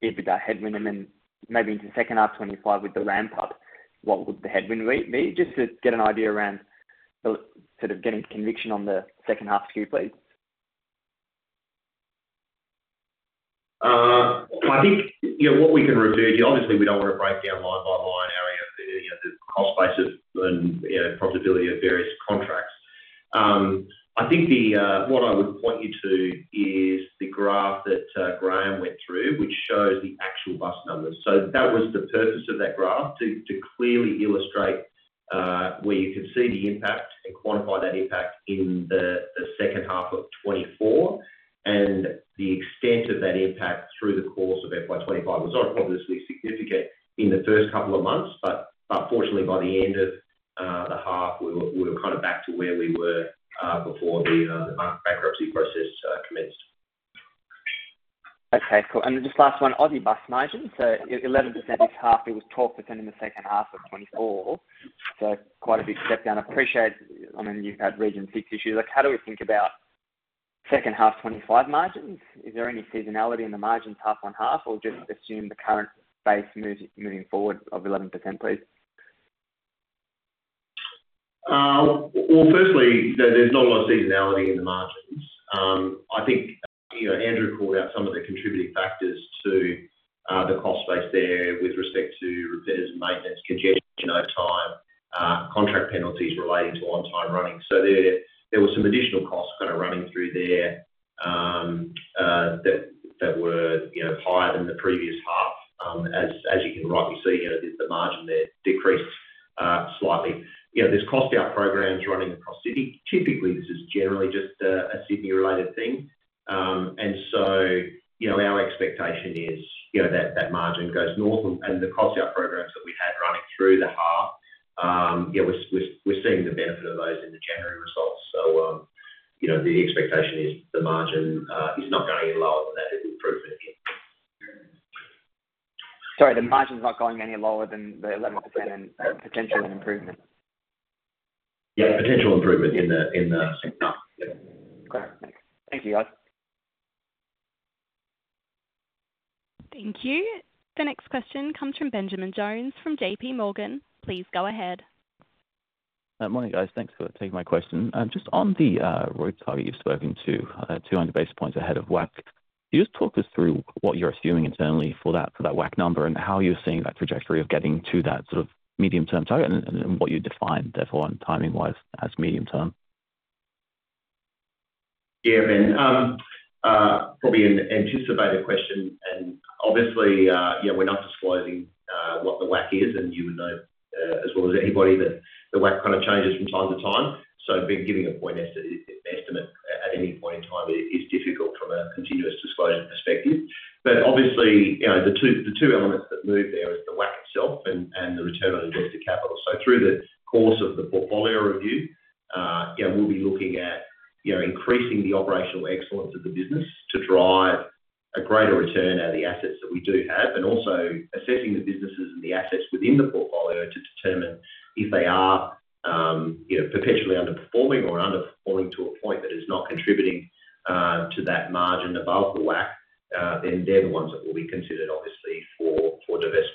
it'd be that headwind, and then maybe in the second half 2025 with the ramp-up, what would the headwind be? Just to get an idea around sort of getting conviction on the second half skew, please. I think what we can review, obviously we don't want to break down line by line, Aryan, the cost basis and profitability of various contracts. I think what I would point you to is the graph that Graeme went through, which shows the actual bus numbers. So that was the purpose of that graph, to clearly illustrate where you could see the impact and quantify that impact in the second half of 2024, and the extent of that impact through the course of FY25 was probably significant in the first couple of months, but fortunately by the end of the half, we were kind of back to where we were before the bankruptcy process commenced. Okay, cool. And just last one, Aussie bus margins, so 11% this half, it was 12% in the second half of 2024, so quite a big step down. I appreciate, I mean, you've had Region 6 issues. How do we think about second half 2025 margins? Is there any seasonality in the margins half on half, or just assume the current base moving forward of 11%, please? Well, firstly, there's not a lot of seasonality in the margins. I think Andrew called out some of the contributing factors to the cost base there with respect to repairs and maintenance, congestion over time, contract penalties relating to on-time running. So there were some additional costs kind of running through there that were higher than the previous half. As you can rightly see, the margin there decreased slightly. There's cost-out programs running across Sydney. Typically, this is generally just a Sydney-related thing, and so our expectation is that margin goes north, and the cost-out programs that we had running through the half, we're seeing the benefit of those in the January results. So the expectation is the margin is not going any lower than that. It will improve anything. Sorry, the margin's not going any lower than the 11% and potential improvement. Yeah, potential improvement in the second half. Great. Thank you, guys. Thank you. The next question comes from Benjamin Jones from J.P. Morgan. Please go ahead. Morning, guys. Thanks for taking my question. Just on the ROIC target you've spoken to, 200 basis points ahead of WACC, can you just talk us through what you're assuming internally for that WACC number and how you're seeing that trajectory of getting to that sort of medium-term target and what you define, therefore, timing-wise as medium-term? Yeah, Ben, probably an anticipated question, and obviously, yeah, we're not disclosing what the WACC is, and you would know as well as anybody that the WACC kind of changes from time to time. So giving a point estimate at any point in time is difficult from a continuous disclosure perspective. But obviously, the two elements that move there are the WACC itself and the return on invested capital. So through the course of the portfolio review, we'll be looking at increasing the operational excellence of the business to drive a greater return out of the assets that we do have, and also assessing the businesses and the assets within the portfolio to determine if they are perpetually underperforming or underperforming to a point that is not contributing to that margin above the WACC, then they're the ones that will be considered, obviously, for divestment.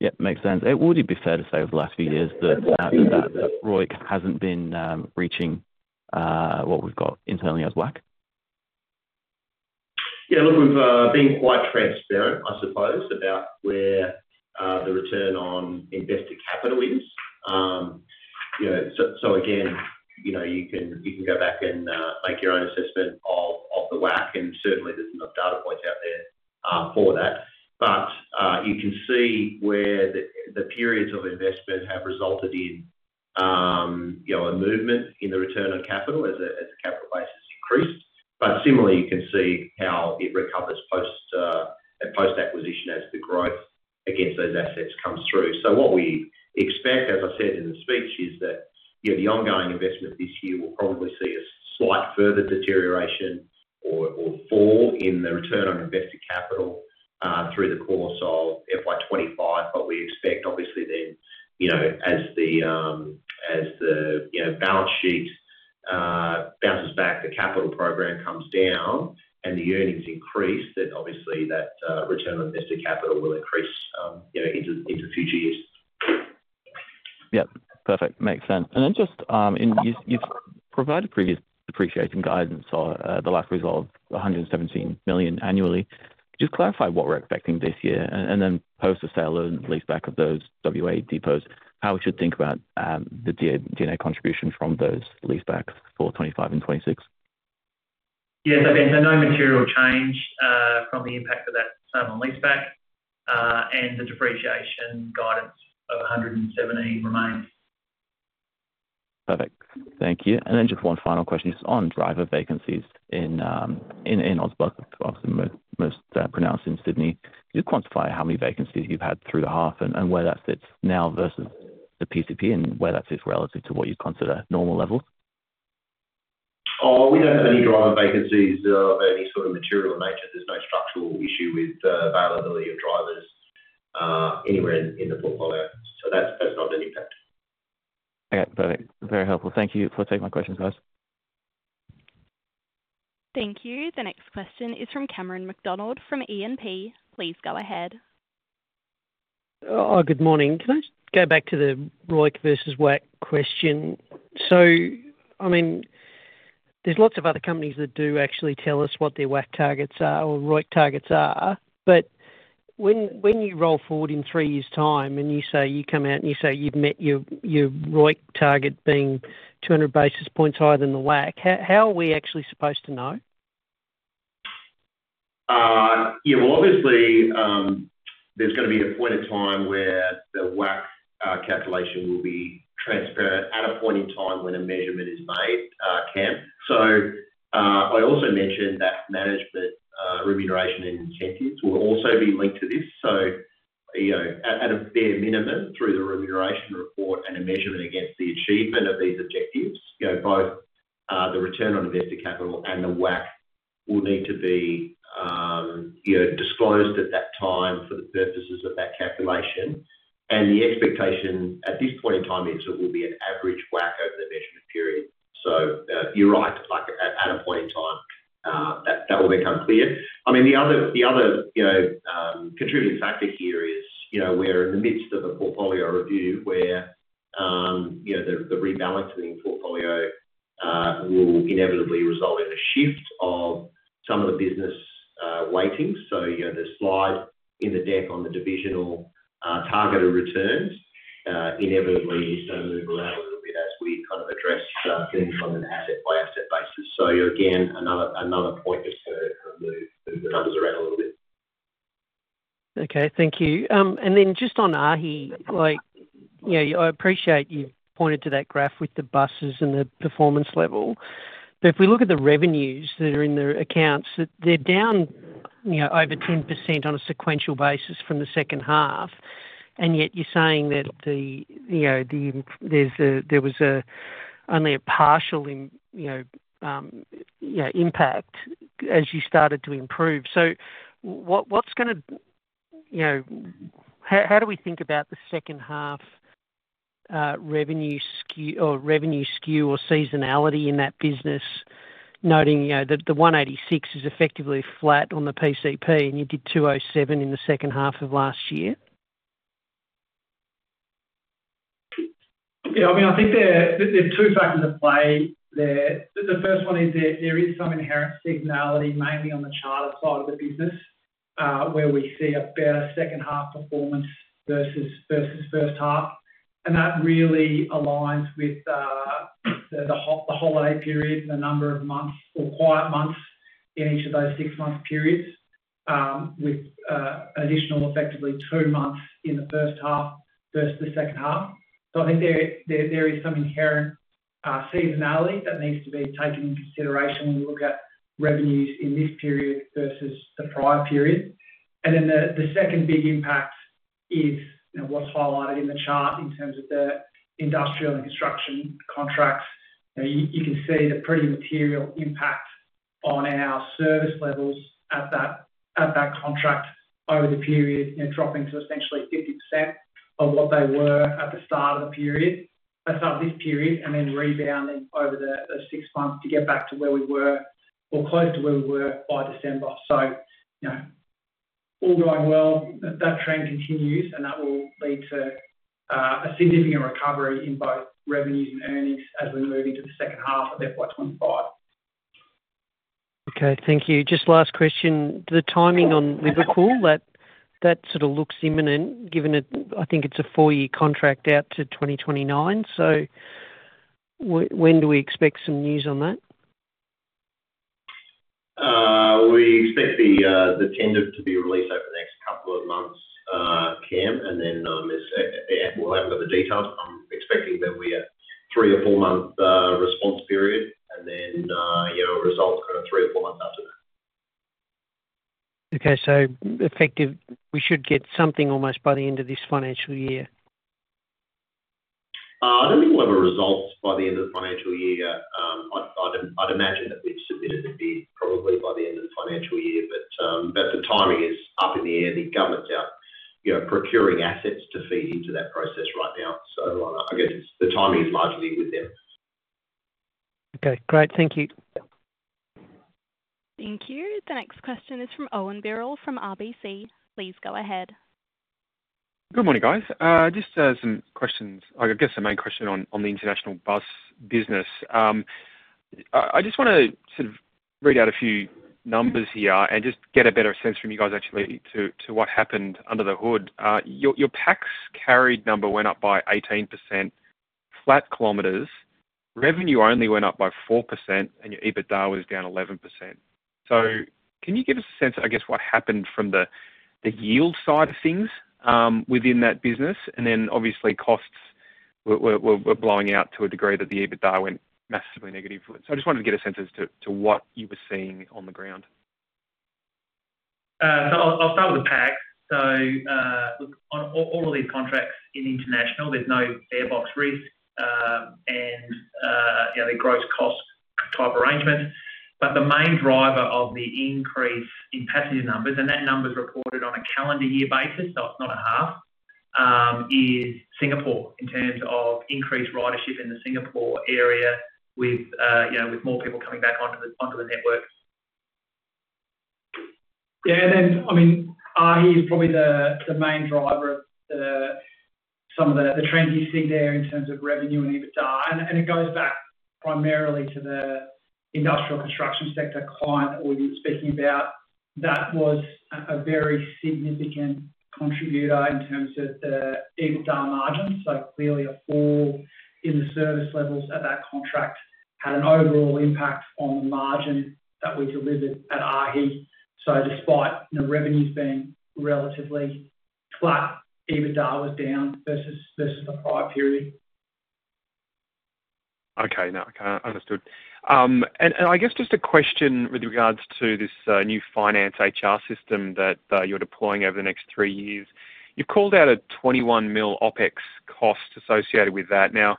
Yeah, makes sense. Would it be fair to say over the last few years that ROIC hasn't been reaching what we've got internally as WACC? Yeah, look, we've been quite transparent, I suppose, about where the return on invested capital is. So again, you can go back and make your own assessment of the WACC, and certainly, there's enough data points out there for that. But you can see where the periods of investment have resulted in a movement in the return on capital as the capital basis increased. But similarly, you can see how it recovers post-acquisition as the growth against those assets comes through. So what we expect, as I said in the speech, is that the ongoing investment this year will probably see a slight further deterioration or fall in the return on invested capital through the course of FY25, but we expect, obviously, then as the balance sheet bounces back, the capital program comes down, and the earnings increase, that obviously that return on invested capital will increase into future years. Yeah, perfect. Makes sense. And then just in you've provided previous depreciation guidance on the likelihood of 117 million annually. Just clarify what we're expecting this year, and then post the sale and leaseback of those WA depots, how we should think about the D&A contribution from those leasebacks for 2025 and 2026. Yes, I think there's no material change from the impact of that sale and leaseback, and the depreciation guidance of 170 remains. Perfect. Thank you. And then just one final question, just on driver vacancies in Aus Bus, obviously most pronounced in Sydney. Can you quantify how many vacancies you've had through the half and where that sits now versus the PCP and where that sits relative to what you consider normal levels? We don't have any driver vacancies of any sort of material nature. There's no structural issue with availability of drivers anywhere in the portfolio, so that's not an impact. Okay, perfect. Very helpful. Thank you for taking my questions, guys. Thank you. The next question is from Cameron McDonald from E&P. Please go ahead. Good morning. Can I just go back to the ROIC versus WACC question? So I mean, there's lots of other companies that do actually tell us what their WACC targets are or ROIC targets are, but when you roll forward in three years' time and you say you come out and you say you've met your ROIC target being 200 basis points higher than the WACC, how are we actually supposed to know? Yeah, well, obviously, there's going to be a point of time where the WACC calculation will be transparent at a point in time when a measurement is made, Cam. So I also mentioned that management remuneration and incentives will also be linked to this. So at a bare minimum, through the remuneration report and a measurement against the achievement of these objectives, both the return on invested capital and the WACC will need to be disclosed at that time for the purposes of that calculation. And the expectation at this point in time is it will be an average WACC over the measurement period. So you're right, at a point in time, that will become clear. I mean, the other contributing factor here is we're in the midst of a portfolio review where the rebalancing portfolio will inevitably result in a shift of some of the business weightings. So the slide in the deck on the divisional target of returns inevitably is going to move around a little bit as we kind of address things on an asset-by-asset basis. So again, another point just to move the numbers around a little bit. Okay, thank you. And then just on AAAHI, I appreciate you've pointed to that graph with the buses and the performance level. But if we look at the revenues that are in the accounts, they're down over 10% on a sequential basis from the second half, and yet you're saying that there was only a partial impact as you started to improve. So what's going to how do we think about the second half revenue skew or seasonality in that business, noting that the 186 is effectively flat on the PCP and you did 207 in the second half of last year? Yeah, I mean, I think there are two factors at play. The first one is there is some inherent seasonality, mainly on the charter side of the business, where we see a better second half performance versus first half. That really aligns with the holiday period and the number of months or quiet months in each of those six-month periods, with additional effectively two months in the first half versus the second half. So I think there is some inherent seasonality that needs to be taken into consideration when we look at revenues in this period versus the prior period. And then the second big impact is what's highlighted in the chart in terms of the industrial and construction contracts. You can see the pretty material impact on our service levels at that contract over the period, dropping to essentially 50% of what they were at the start of this period and then rebounding over the six months to get back to where we were or close to where we were by December. So all going well, that trend continues, and that will lead to a significant recovery in both revenues and earnings as we move into the second half of FY25. Okay, thank you. Just last question, the timing on Liverpool, that sort of looks imminent given I think it's a four-year contract out to 2029. So when do we expect some news on that? We expect the tender to be released over the next couple of months, Cam, and then we'll have another detail. I'm expecting there'll be a three or four-month response period, and then results kind of three or four months after that. Okay, so effective, we should get something almost by the end of this financial year. I don't think we'll have a result by the end of the financial year. I'd imagine that we'd submit it at the end, probably by the end of the financial year, but the timing is up in the air. The government's out procuring assets to feed into that process right now. So I guess the timing is largely with them. Okay, great. Thank you. Thank you. The next question is from Owen Birrell from RBC. Please go ahead. Good morning, guys. Just some questions. I guess the main question on the international bus business. I just want to sort of read out a few numbers here and just get a better sense from you guys actually to what happened under the hood. Your PAX carried number went up by 18%, flat kilometers, revenue only went up by 4%, and your EBITDA was down 11%. So can you give us a sense, I guess, what happened from the yield side of things within that business? Obviously, costs were blowing out to a degree that the EBITDA went massively negative. I just wanted to get a sense as to what you were seeing on the ground. I'll start with the PAX. Look, on all of these contracts in international, there's no farebox risk and the gross cost type arrangement. But the main driver of the increase in passenger numbers, and that number's reported on a calendar year basis, so it's not a half, is Singapore in terms of increased ridership in the Singapore area with more people coming back onto the network. Yeah, I mean, AAAHI is probably the main driver of some of the trend you see there in terms of revenue and EBITDA. It goes back primarily to the industrial construction sector client that we were speaking about. That was a very significant contributor in terms of the EBITDA margins. So clearly, a fall in the service levels at that contract had an overall impact on the margin that we delivered at AAAHI. So despite the revenues being relatively flat, EBITDA was down versus the prior period. Okay, now I understood. And I guess just a question with regards to this new finance HR system that you're deploying over the next three years. You've called out an 21 million OpEx cost associated with that. Now,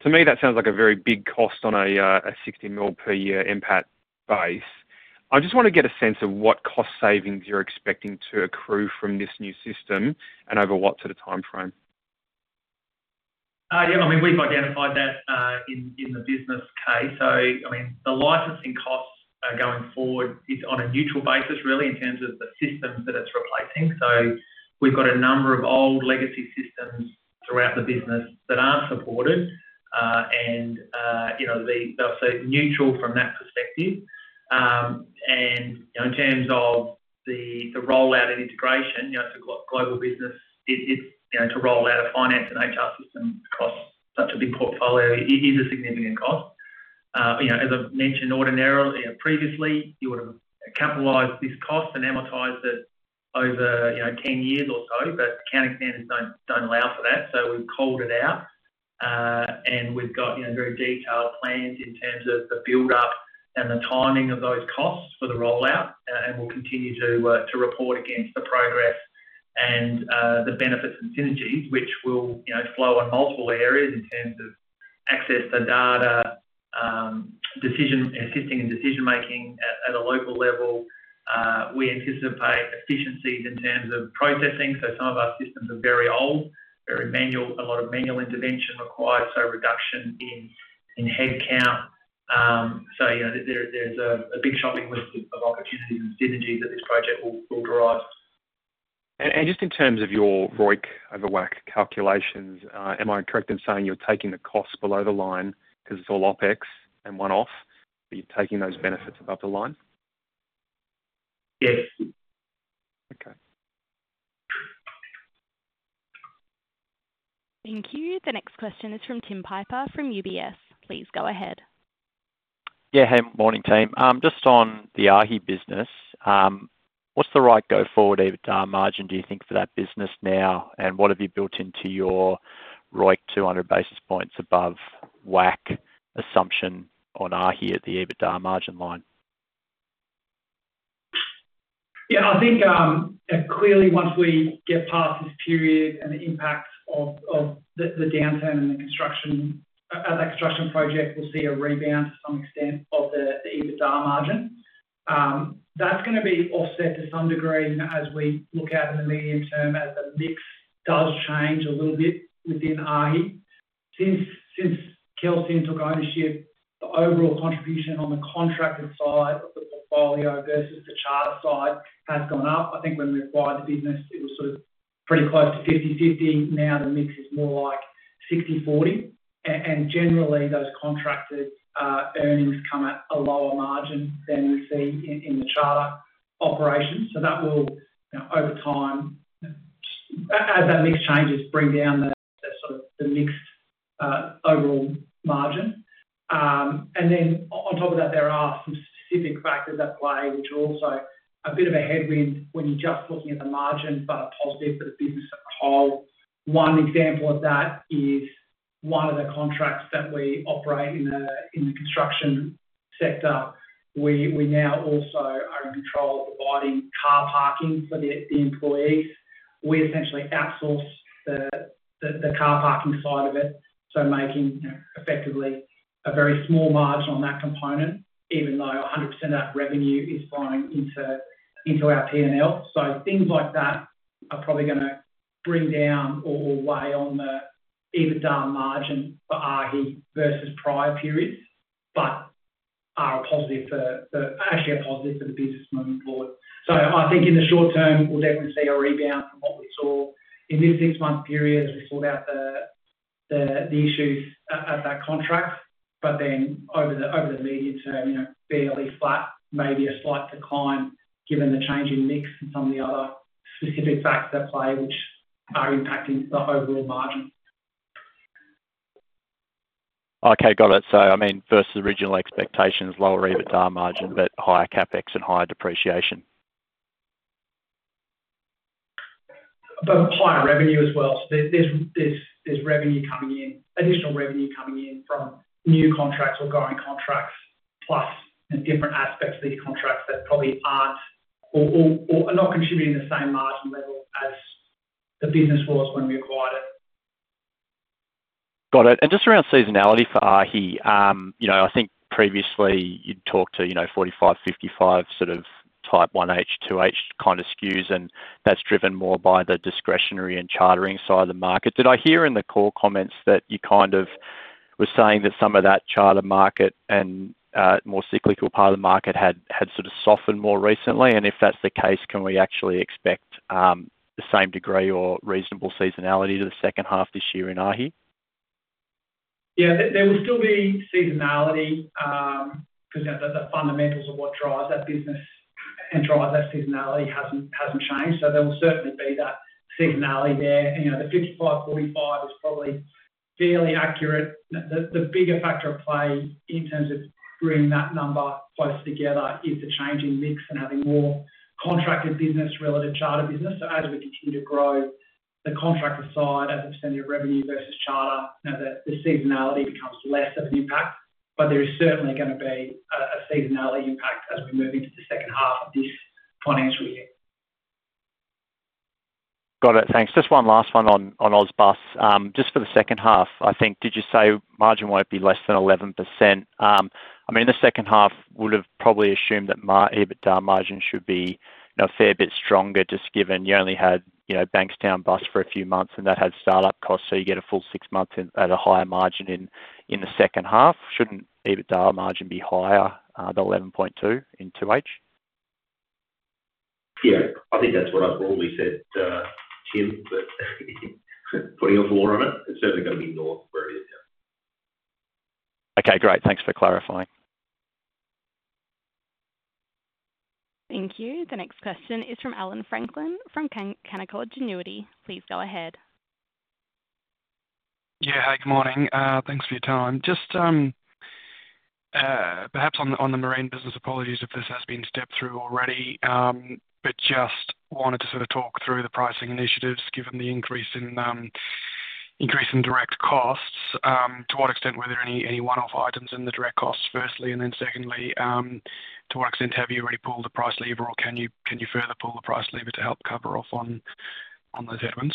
to me, that sounds like a very big cost on a 60 million per year impact base. I just want to get a sense of what cost savings you're expecting to accrue from this new system and over what sort of timeframe. Yeah, I mean, we've identified that in the business case. So I mean, the licensing costs going forward is on a neutral basis, really, in terms of the systems that it's replacing. So we've got a number of old legacy systems throughout the business that aren't supported, and they'll say neutral from that perspective. In terms of the rollout and integration, it's a global business. To rollout a finance and HR system across such a big portfolio is a significant cost. As I mentioned ordinarily, previously, you would have capitalized this cost and amortized it over 10 years or so, but accounting standards don't allow for that. So we've called it out, and we've got very detailed plans in terms of the build-up and the timing of those costs for the rollout, and we'll continue to report against the progress and the benefits and synergies, which will flow on multiple areas in terms of access to data, assisting in decision-making at a local level. We anticipate efficiencies in terms of processing. So some of our systems are very old, very manual, a lot of manual intervention required, so reduction in headcount. So there's a big shopping list of opportunities and synergies that this project will derive. And just in terms of your ROIC over WACC calculations, am I correct in saying you're taking the costs below the line because it's all OpEx and one-off, but you're taking those benefits above the line? Yes. Okay. Thank you. The next question is from Tim Piper from UBS. Please go ahead. Yeah, hey, morning, team. Just on the AAAHI business, what's the right go-forward EBITDA margin do you think for that business now, and what have you built into your ROIC 200 basis points above WACC assumption on AAAHI at the EBITDA margin line? Yeah, I think clearly once we get past this period and the impact of the downturn in the construction, at that construction project, we'll see a rebound to some extent of the EBITDA margin. That's going to be offset to some degree as we look out in the medium term as the mix does change a little bit within AAAHI. Since Kelsian took ownership, the overall contribution on the contracted side of the portfolio versus the charter side has gone up. I think when we acquired the business, it was sort of pretty close to 50/50. Now the mix is more like 60/40. Generally, those contracted earnings come at a lower margin than we see in the charter operations. So that will, over time, as that mix changes, bring down the sort of mixed overall margin. And then on top of that, there are some specific factors at play which are also a bit of a headwind when you're just looking at the margin but are positive for the business as a whole. One example of that is one of the contracts that we operate in the construction sector. We now also are in control of providing car parking for the employees. We essentially outsource the car parking side of it, so making effectively a very small margin on that component, even though 100% of that revenue is flowing into our P&L. Things like that are probably going to bring down or weigh on the EBITDA margin for AAAHI versus prior periods but are actually a positive for the business moving forward. So I think in the short term, we'll definitely see a rebound from what we saw in this six-month period as we sort out the issues at that contract. But then over the medium term, fairly flat, maybe a slight decline given the change in mix and some of the other specific factors at play which are impacting the overall margin. Okay, got it. So I mean, versus original expectations, lower EBITDA margin, but higher CapEx and higher depreciation. But higher revenue as well. So there's additional revenue coming in from new contracts or going contracts plus different aspects of these contracts that probably aren't or are not contributing the same margin level as the business was when we acquired it. Got it. And just around seasonality for AAAHI, I think previously you'd talked to 45/55 sort of type 1H, 2H kind of SKUs, and that's driven more by the discretionary and chartering side of the market. Did I hear in the call comments that you kind of were saying that some of that charter market and more cyclical part of the market had sort of softened more recently? And if that's the case, can we actually expect the same degree or reasonable seasonality to the second half this year in AAAHI? Yeah, there will still be seasonality because the fundamentals of what drives that business and drives that seasonality hasn't changed. So there will certainly be that seasonality there. The 55/45 is probably fairly accurate. The bigger factor at play in terms of bringing that number closer together is the change in mix and having more contracted business relative to charter business. So as we continue to grow, the contracted side as a percentage of revenue versus charter, the seasonality becomes less of an impact. But there is certainly going to be a seasonality impact as we move into the second half of this financial year. Got it. Thanks. Just one last one on our bus. Just for the second half, I think did you say margin won't be less than 11%? I mean, in the second half, we would have probably assumed that EBITDA margin should be a fair bit stronger just given you only had Bankstown bus for a few months and that had startup costs. So you get a full six months at a higher margin in the second half. Shouldn't EBITDA margin be higher, the 11.2% in 2H? Yeah, I think that's what I probably said, Tim, but putting a floor on it, it's certainly going to be north where it is now. Okay, great. Thanks for clarifying. Thank you. The next question is from Allan Franklin from Canaccord Genuity. Please go ahead. Yeah, hey, good morning. Thanks for your time. Just perhaps on the marine business, apologies if this has been stepped through already, but just wanted to sort of talk through the pricing initiatives given the increase in direct costs. To what extent were there any one-off items in the direct costs firstly, and then secondly, to what extent have you already pulled the price lever or can you further pull the price lever to help cover off on those headwinds?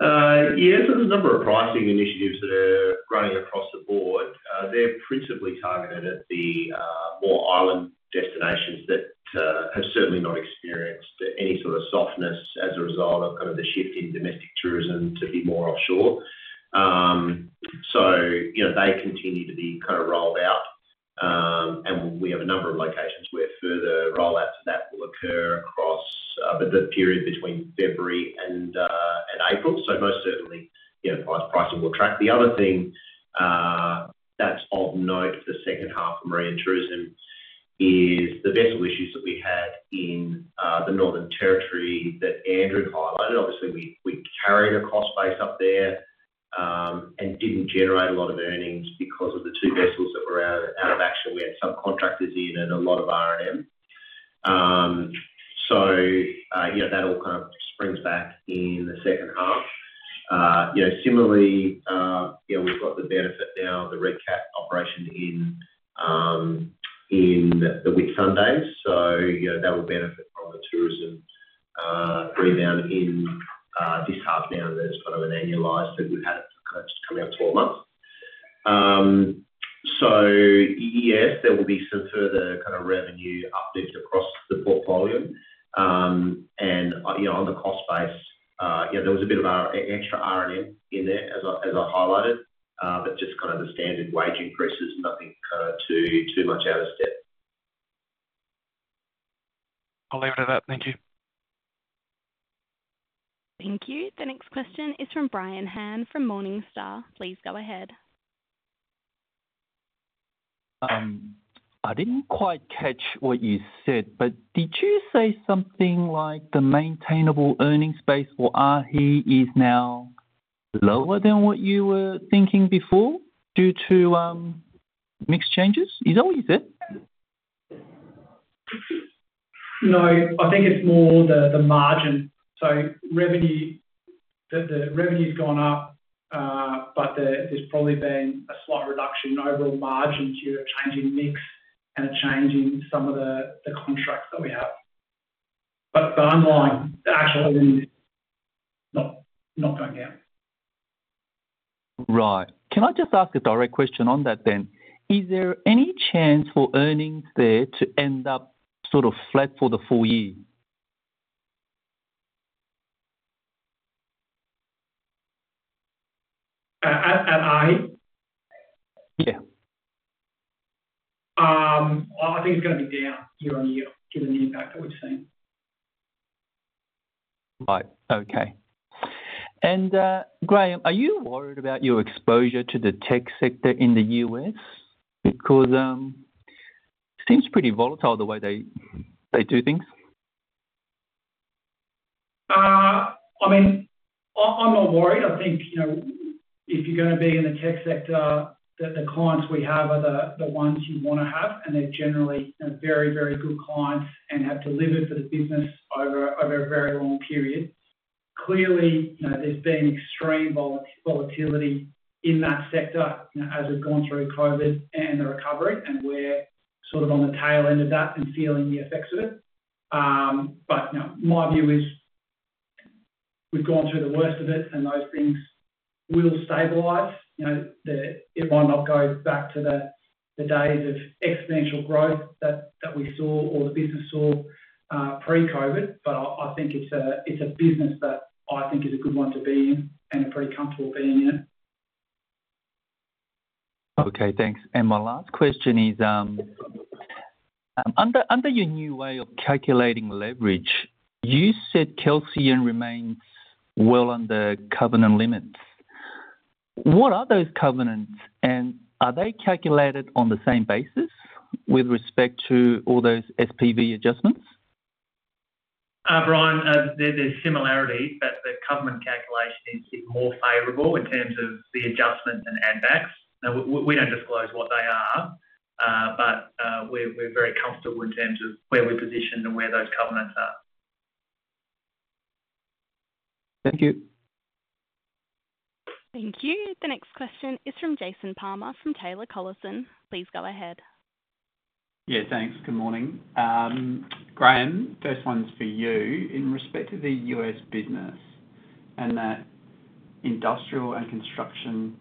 Yeah, so there's a number of pricing initiatives that are running across the board. They're principally targeted at the more island destinations that have certainly not experienced any sort of softness as a result of kind of the shift in domestic tourism to be more offshore. So they continue to be kind of rolled out, and we have a number of locations where further rollouts of that will occur across the period between February and April. So most certainly, pricing will track. The other thing that's of note for the second half of marine tourism is the vessel issues that we had in the Northern Territory that Andrew highlighted. Obviously, we carried a cost base up there and didn't generate a lot of earnings because of the two vessels that were out of action. We had subcontractors in and a lot of R&M. So that all kind of springs back in the second half. Similarly, we've got the benefit now of the Red Cat operation in the Whitsundays. So that will benefit from the tourism rebound in this half now that it's kind of annualized that we've had for kind of just coming up to four months. So yes, there will be some further kind of revenue uplift across the portfolio. And on the cost base, there was a bit of extra R&M in there as I highlighted, but just kind of the standard wage increases, nothing kind of too much out of step. I'll leave it at that. Thank you. Thank you. The next question is from Brian Han from Morningstar. Please go ahead. I didn't quite catch what you said, but did you say something like the maintainable earnings base for AAAHI is now lower than what you were thinking before due to mixed changes? Is that what you said? No. I think it's more the margin. So the revenue's gone up, but there's probably been a slight reduction in overall margins due to a change in mix and a change in some of the contracts that we have. But the underlying actual earnings is not going down. Right. Can I just ask a direct question on that then? Is there any chance for earnings there to end up sort of flat for the full year? At AAAHI? Yeah. I think it's going to be down year-on-year given the impact that we've seen. Right. Okay, and Graeme, are you worried about your exposure to the tech sector in the U.S.? Because it seems pretty volatile the way they do things. I mean, I'm not worried. I think if you're going to be in the tech sector, the clients we have are the ones you want to have, and they're generally very, very good clients and have delivered for the business over a very long period. Clearly, there's been extreme volatility in that sector as we've gone through COVID and the recovery and we're sort of on the tail end of that and feeling the effects of it. But my view is we've gone through the worst of it, and those things will stabilize. It might not go back to the days of exponential growth that we saw or the business saw pre-COVID, but I think it's a business that I think is a good one to be in and a pretty comfortable being in. Okay, thanks. And my last question is, under your new way of calculating leverage, you said Kelsian remains well under covenant limits. What are those covenants, and are they calculated on the same basis with respect to all those SPV adjustments? Brian, there are similarities, but the covenant calculation is more favourable in terms of the adjustments and add-backs. We don't disclose what they are, but we're very comfortable in terms of where we're positioned and where those covenants are. Thank you. Thank you. The next question is from Jason Palmer from Taylor Collison. Please go ahead. Yeah, thanks. Good morning. Graeme, first one's for you. In respect to the U.S. business and that industrial and construction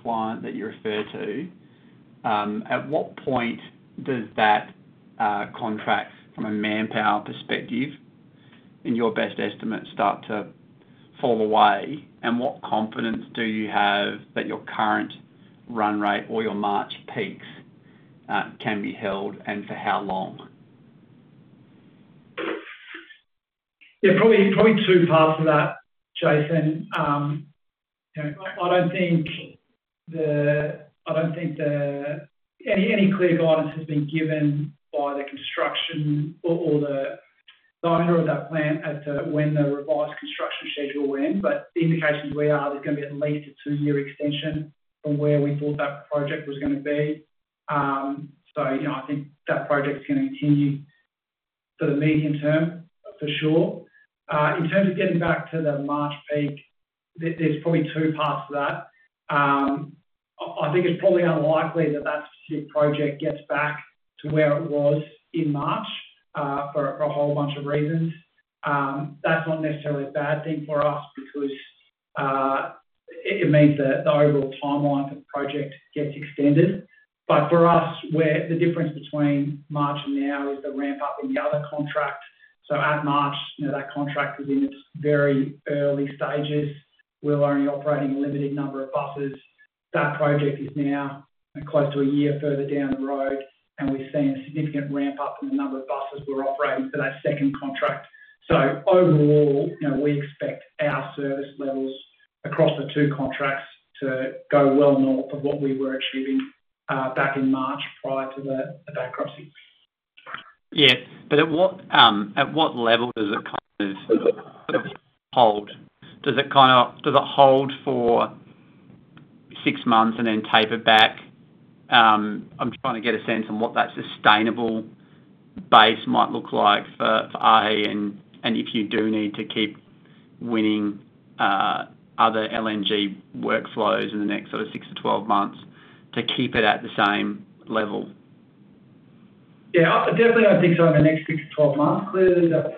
client that you refer to, at what point does that contract from a manpower perspective, in your best estimate, start to fall away? And what confidence do you have that your current run rate or your March peaks can be held and for how long? Yeah, probably two parts of that, Jason. I don't think that any clear guidance has been given by the construction or the owner of that plant when the revised construction schedule went. But the indications we are, there's going to be at least a two-year extension from where we thought that project was going to be. So I think that project's going to continue for the medium term for sure. In terms of getting back to the March peak, there's probably two parts to that. I think it's probably unlikely that that specific project gets back to where it was in March for a whole bunch of reasons. That's not necessarily a bad thing for us because it means that the overall timeline for the project gets extended. But for us, the difference between March and now is the ramp-up in the other contract. So at March, that contract is in its very early stages. We're only operating a limited number of buses. That project is now close to a year further down the road, and we've seen a significant ramp-up in the number of buses we're operating for that second contract. So overall, we expect our service levels across the two contracts to go well north of what we were achieving back in March prior to the bankruptcy. Yeah. But at what level does it kind of hold? Does it kind of hold for six months and then taper back? I'm trying to get a sense on what that sustainable base might look like for AAAHI and if you do need to keep winning other LNG workflows in the next sort of six to 12 months to keep it at the same level. Yeah, definitely. I think so in the next six-12 months. Clearly, the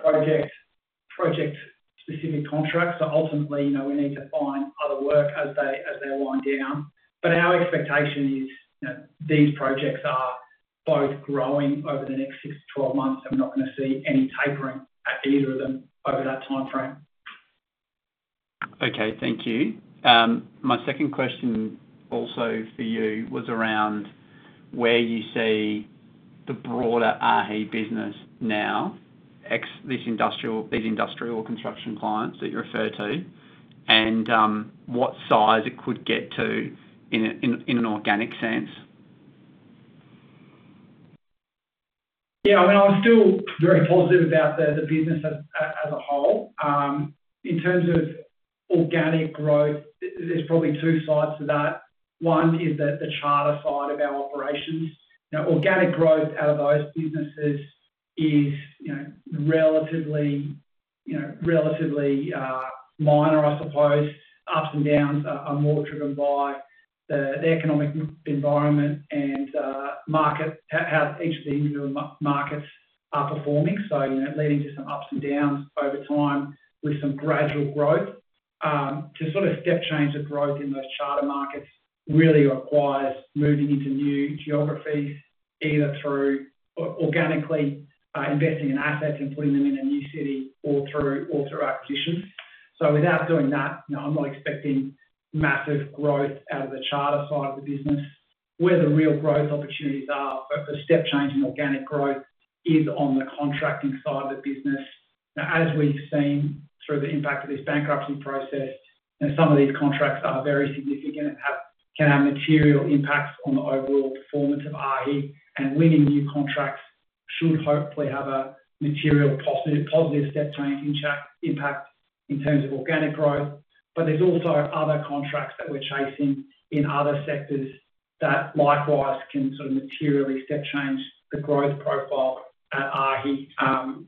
project-specific contracts are ultimately we need to find other work as they wind down, but our expectation is these projects are both growing over the next six-12 months. I'm not going to see any tapering at either of them over that timeframe. Okay, thank you. My second question also for you was around where you see the broader AAAHI business now, these industrial construction clients that you refer to, and what size it could get to in an organic sense. Yeah, I mean, I'm still very positive about the business as a whole. In terms of organic growth, there's probably two sides to that. One is the charter side of our operations. Organic growth out of those businesses is relatively minor, I suppose. Ups and downs are more driven by the economic environment and how each of the individual markets are performing. So leading to some ups and downs over time with some gradual growth. To sort of step change the growth in those charter markets really requires moving into new geographies, either through organically investing in assets and putting them in a new city or through acquisitions. So without doing that, I'm not expecting massive growth out of the charter side of the business. Where the real growth opportunities are for step-changing organic growth is on the contracting side of the business. As we've seen through the impact of this bankruptcy process, some of these contracts are very significant and can have material impacts on the overall performance of AAAHI. And winning new contracts should hopefully have a material positive step-changing impact in terms of organic growth. But there's also other contracts that we're chasing in other sectors that likewise can sort of materially step-change the growth profile at AAAHI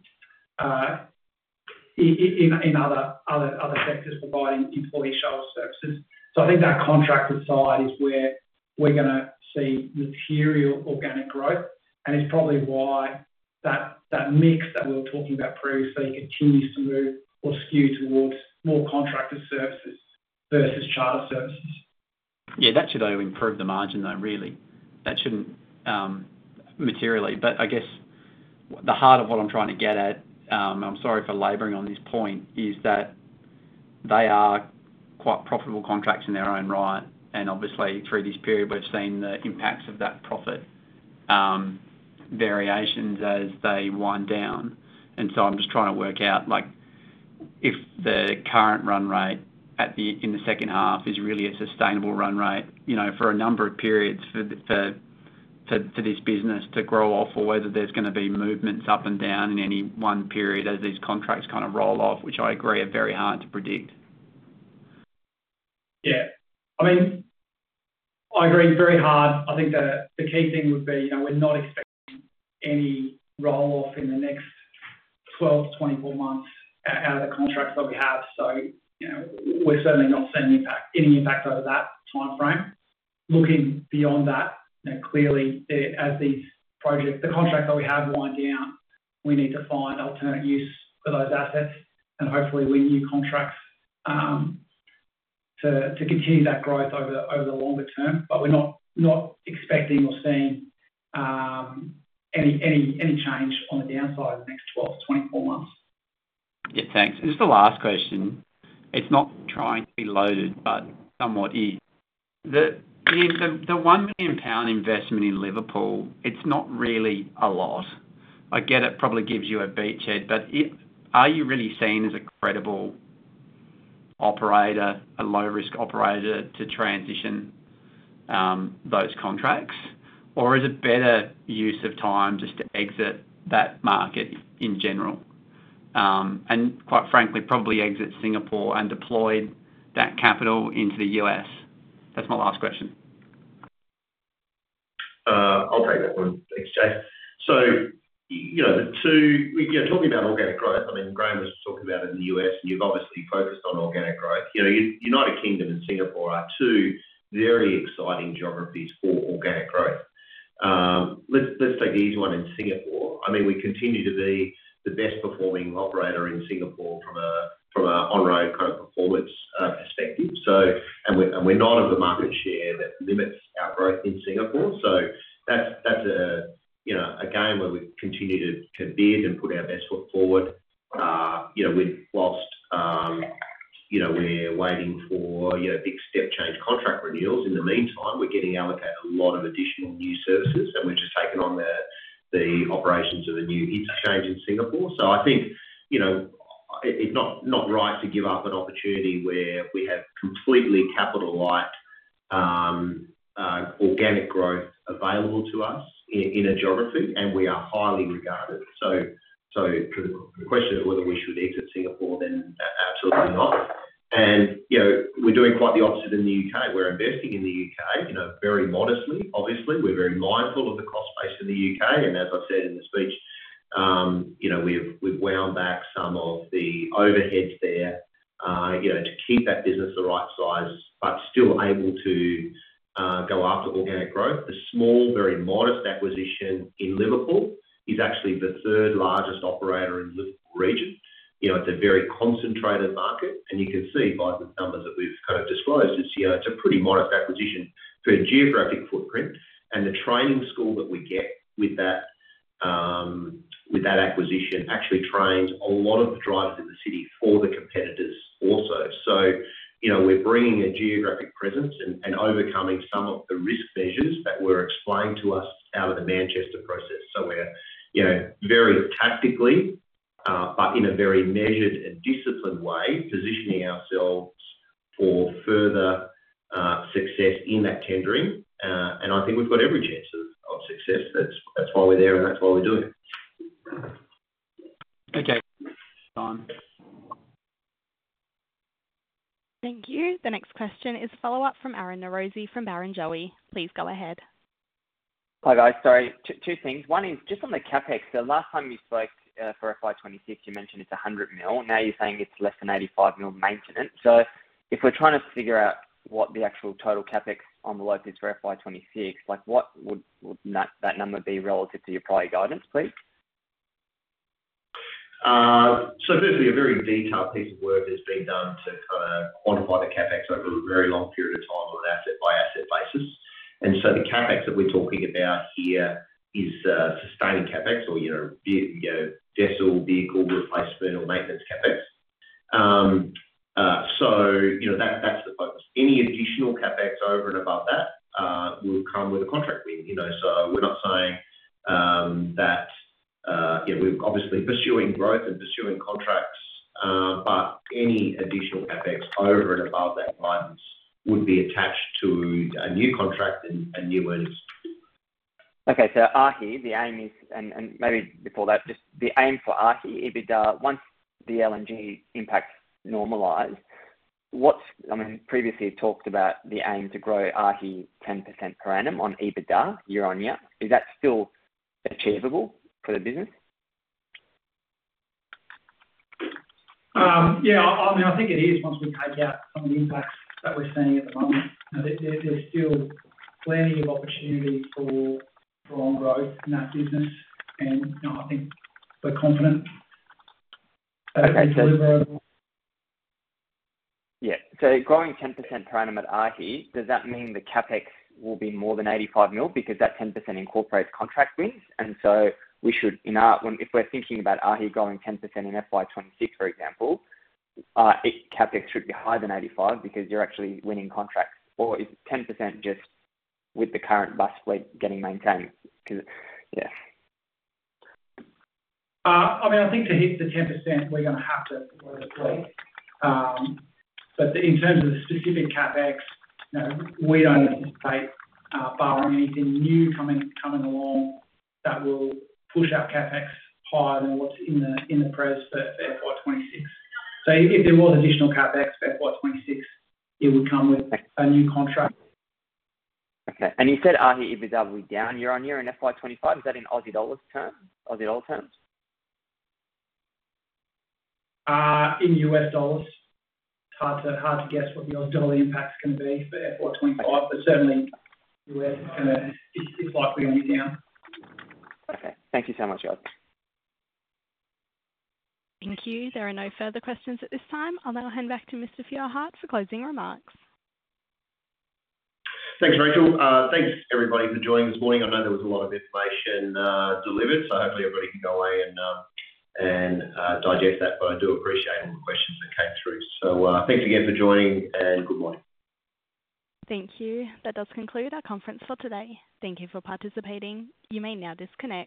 in other sectors providing employee shelter services. So I think that contracted side is where we're going to see material organic growth. And it's probably why that mix that we were talking about previously continues to move or skew towards more contracted services versus charter services. Yeah, that should only improve the margin though, really. That shouldn't materially. But I guess the heart of what I'm trying to get at, and I'm sorry for laboring on this point, is that they are quite profitable contracts in their own right. And obviously, through this period, we've seen the impacts of that profit variations as they wind down. And so I'm just trying to work out if the current run rate in the second half is really a sustainable run rate for a number of periods for this business to grow off or whether there's going to be movements up and down in any one period as these contracts kind of roll off, which I agree are very hard to predict. Yeah. I mean, I agree very hard. I think the key thing would be we're not expecting any roll-off in the next 12-24 months out of the contracts that we have. We're certainly not seeing any impact over that timeframe. Looking beyond that, clearly, as the contract that we have winds down, we need to find alternate use for those assets and hopefully win new contracts to continue that growth over the longer term. But we're not expecting or seeing any change on the downside of the next 12-24 months. Yeah, thanks. Just the last question. It's not trying to be loaded, but somewhat. The 1 million pound investment in Liverpool, it's not really a lot. I get it probably gives you a beachhead, but are you really seen as a credible operator, a low-risk operator to transition those contracts? Or is it better use of time just to exit that market in general? And quite frankly, probably exit Singapore and deploy that capital into the U.S.. That's my last question. I'll take that one. Thanks, Jason. So, the two you're talking about organic growth. I mean, Graeme was talking about it in the U.S., and you've obviously focused on organic growth. United Kingdom and Singapore are two very exciting geographies for organic growth. Let's take the easy one in Singapore. I mean, we continue to be the best-performing operator in Singapore from an on-road kind of performance perspective. And we're not of the market share that limits our growth in Singapore. So that's a game where we continue to bid and put our best foot forward. We've lost. We're waiting for big step-change contract renewals. In the meantime, we're getting allocated a lot of additional new services, and we've just taken on the operations of a new interchange in Singapore. I think it's not right to give up an opportunity where we have completely capital-light organic growth available to us in a geography, and we are highly regarded. So the question of whether we should exit Singapore, then, absolutely not. And we're doing quite the opposite in the U.K. We're investing in the U.K. very modestly. Obviously, we're very mindful of the cost base in the U.K. And as I said in the speech, we've wound back some of the overheads there to keep that business the right size, but still able to go after organic growth. The small, very modest acquisition in Liverpool is actually the third largest operator in the region. It's a very concentrated market. And you can see by the numbers that we've kind of disclosed, it's a pretty modest acquisition for a geographic footprint. And the training school that we get with that acquisition actually trains a lot of the drivers in the city for the competitors also. So we're bringing a geographic presence and overcoming some of the risk measures that were explained to us out of the Manchester process. So we're very tactically, but in a very measured and disciplined way, positioning ourselves for further success in that tendering. And I think we've got every chance of success. That's why we're there, and that's why we're doing it. Okay. Time. Thank you. The next question is a follow-up from Aryan Norozi from Barrenjoey. Please go ahead. Hi guys. Sorry. Two things. One is just on the CapEx. The last time you spoke for FY26, you mentioned it's 100 mil. Now you're saying it's less than 85 mil maintenance. So if we're trying to figure out what the actual total CapEx envelope is for FY26, what would that number be relative to your prior guidance, please? So clearly, a very detailed piece of work has been done to kind of quantify the CapEx over a very long period of time on an asset-by-asset basis. And so the CapEx that we're talking about here is sustaining CapEx or vessel, vehicle replacement, or maintenance CapEx. So that's the focus. Any additional CapEx over and above that will come with a contract win. So we're not saying that we're obviously pursuing growth and pursuing contracts, but any additional CapEx over and above that guidance would be attached to a new contract and new earnings. Okay. So, AAAHI, the aim is and maybe before that, just the aim for AAAHI EBITDA once the LNG impacts normalize. I mean, previously talked about the aim to grow AAAHI 10% per annum on EBITDA year-on-year. Is that still achievable for the business? Yeah. I mean, I think it is once we take out some of the impacts that we're seeing at the moment. There's still plenty of opportunity for growth in that business. And I think we're confident that it's deliverable. Yeah. So growing 10% per annum at AAAHI, does that mean the CapEx will be more than $85 million because that 10% incorporates contract wins? And so we should, if we're thinking about AAAHI growing 10% in FY26, for example, CapEx should be higher than $85 million because you're actually winning contracts. Or is 10% just with the current bus fleet getting maintained? Yeah. I mean, I think to hit the 10%, we're going to have to work with. But in terms of the specific CapEx, we don't anticipate borrowing anything new coming along that will push our CapEx higher than what's in the press for FY26. So if there was additional CapEx for FY26, it would come with a new contract. Okay. And you said AAAHI EBITDA will be down year-on-year in FY25. Is that in Aussie dollars terms? In US dollars. Hard to guess what the Aussie dollar impact is going to be for FY25. But certainly, US is going to be slightly on the down. Okay. Thank you so much, guys. Thank you. There are no further questions at this time. I'll now hand back to Mr. Feuerherdt for closing remarks. Thanks, Rachel. Thanks, everybody, for joining this morning. I know there was a lot of information delivered, so hopefully everybody can go away and digest that. But I do appreciate all the questions that came through. So thanks again for joining, and good morning. Thank you. That does conclude our conference for today. Thank you for participating. You may now disconnect.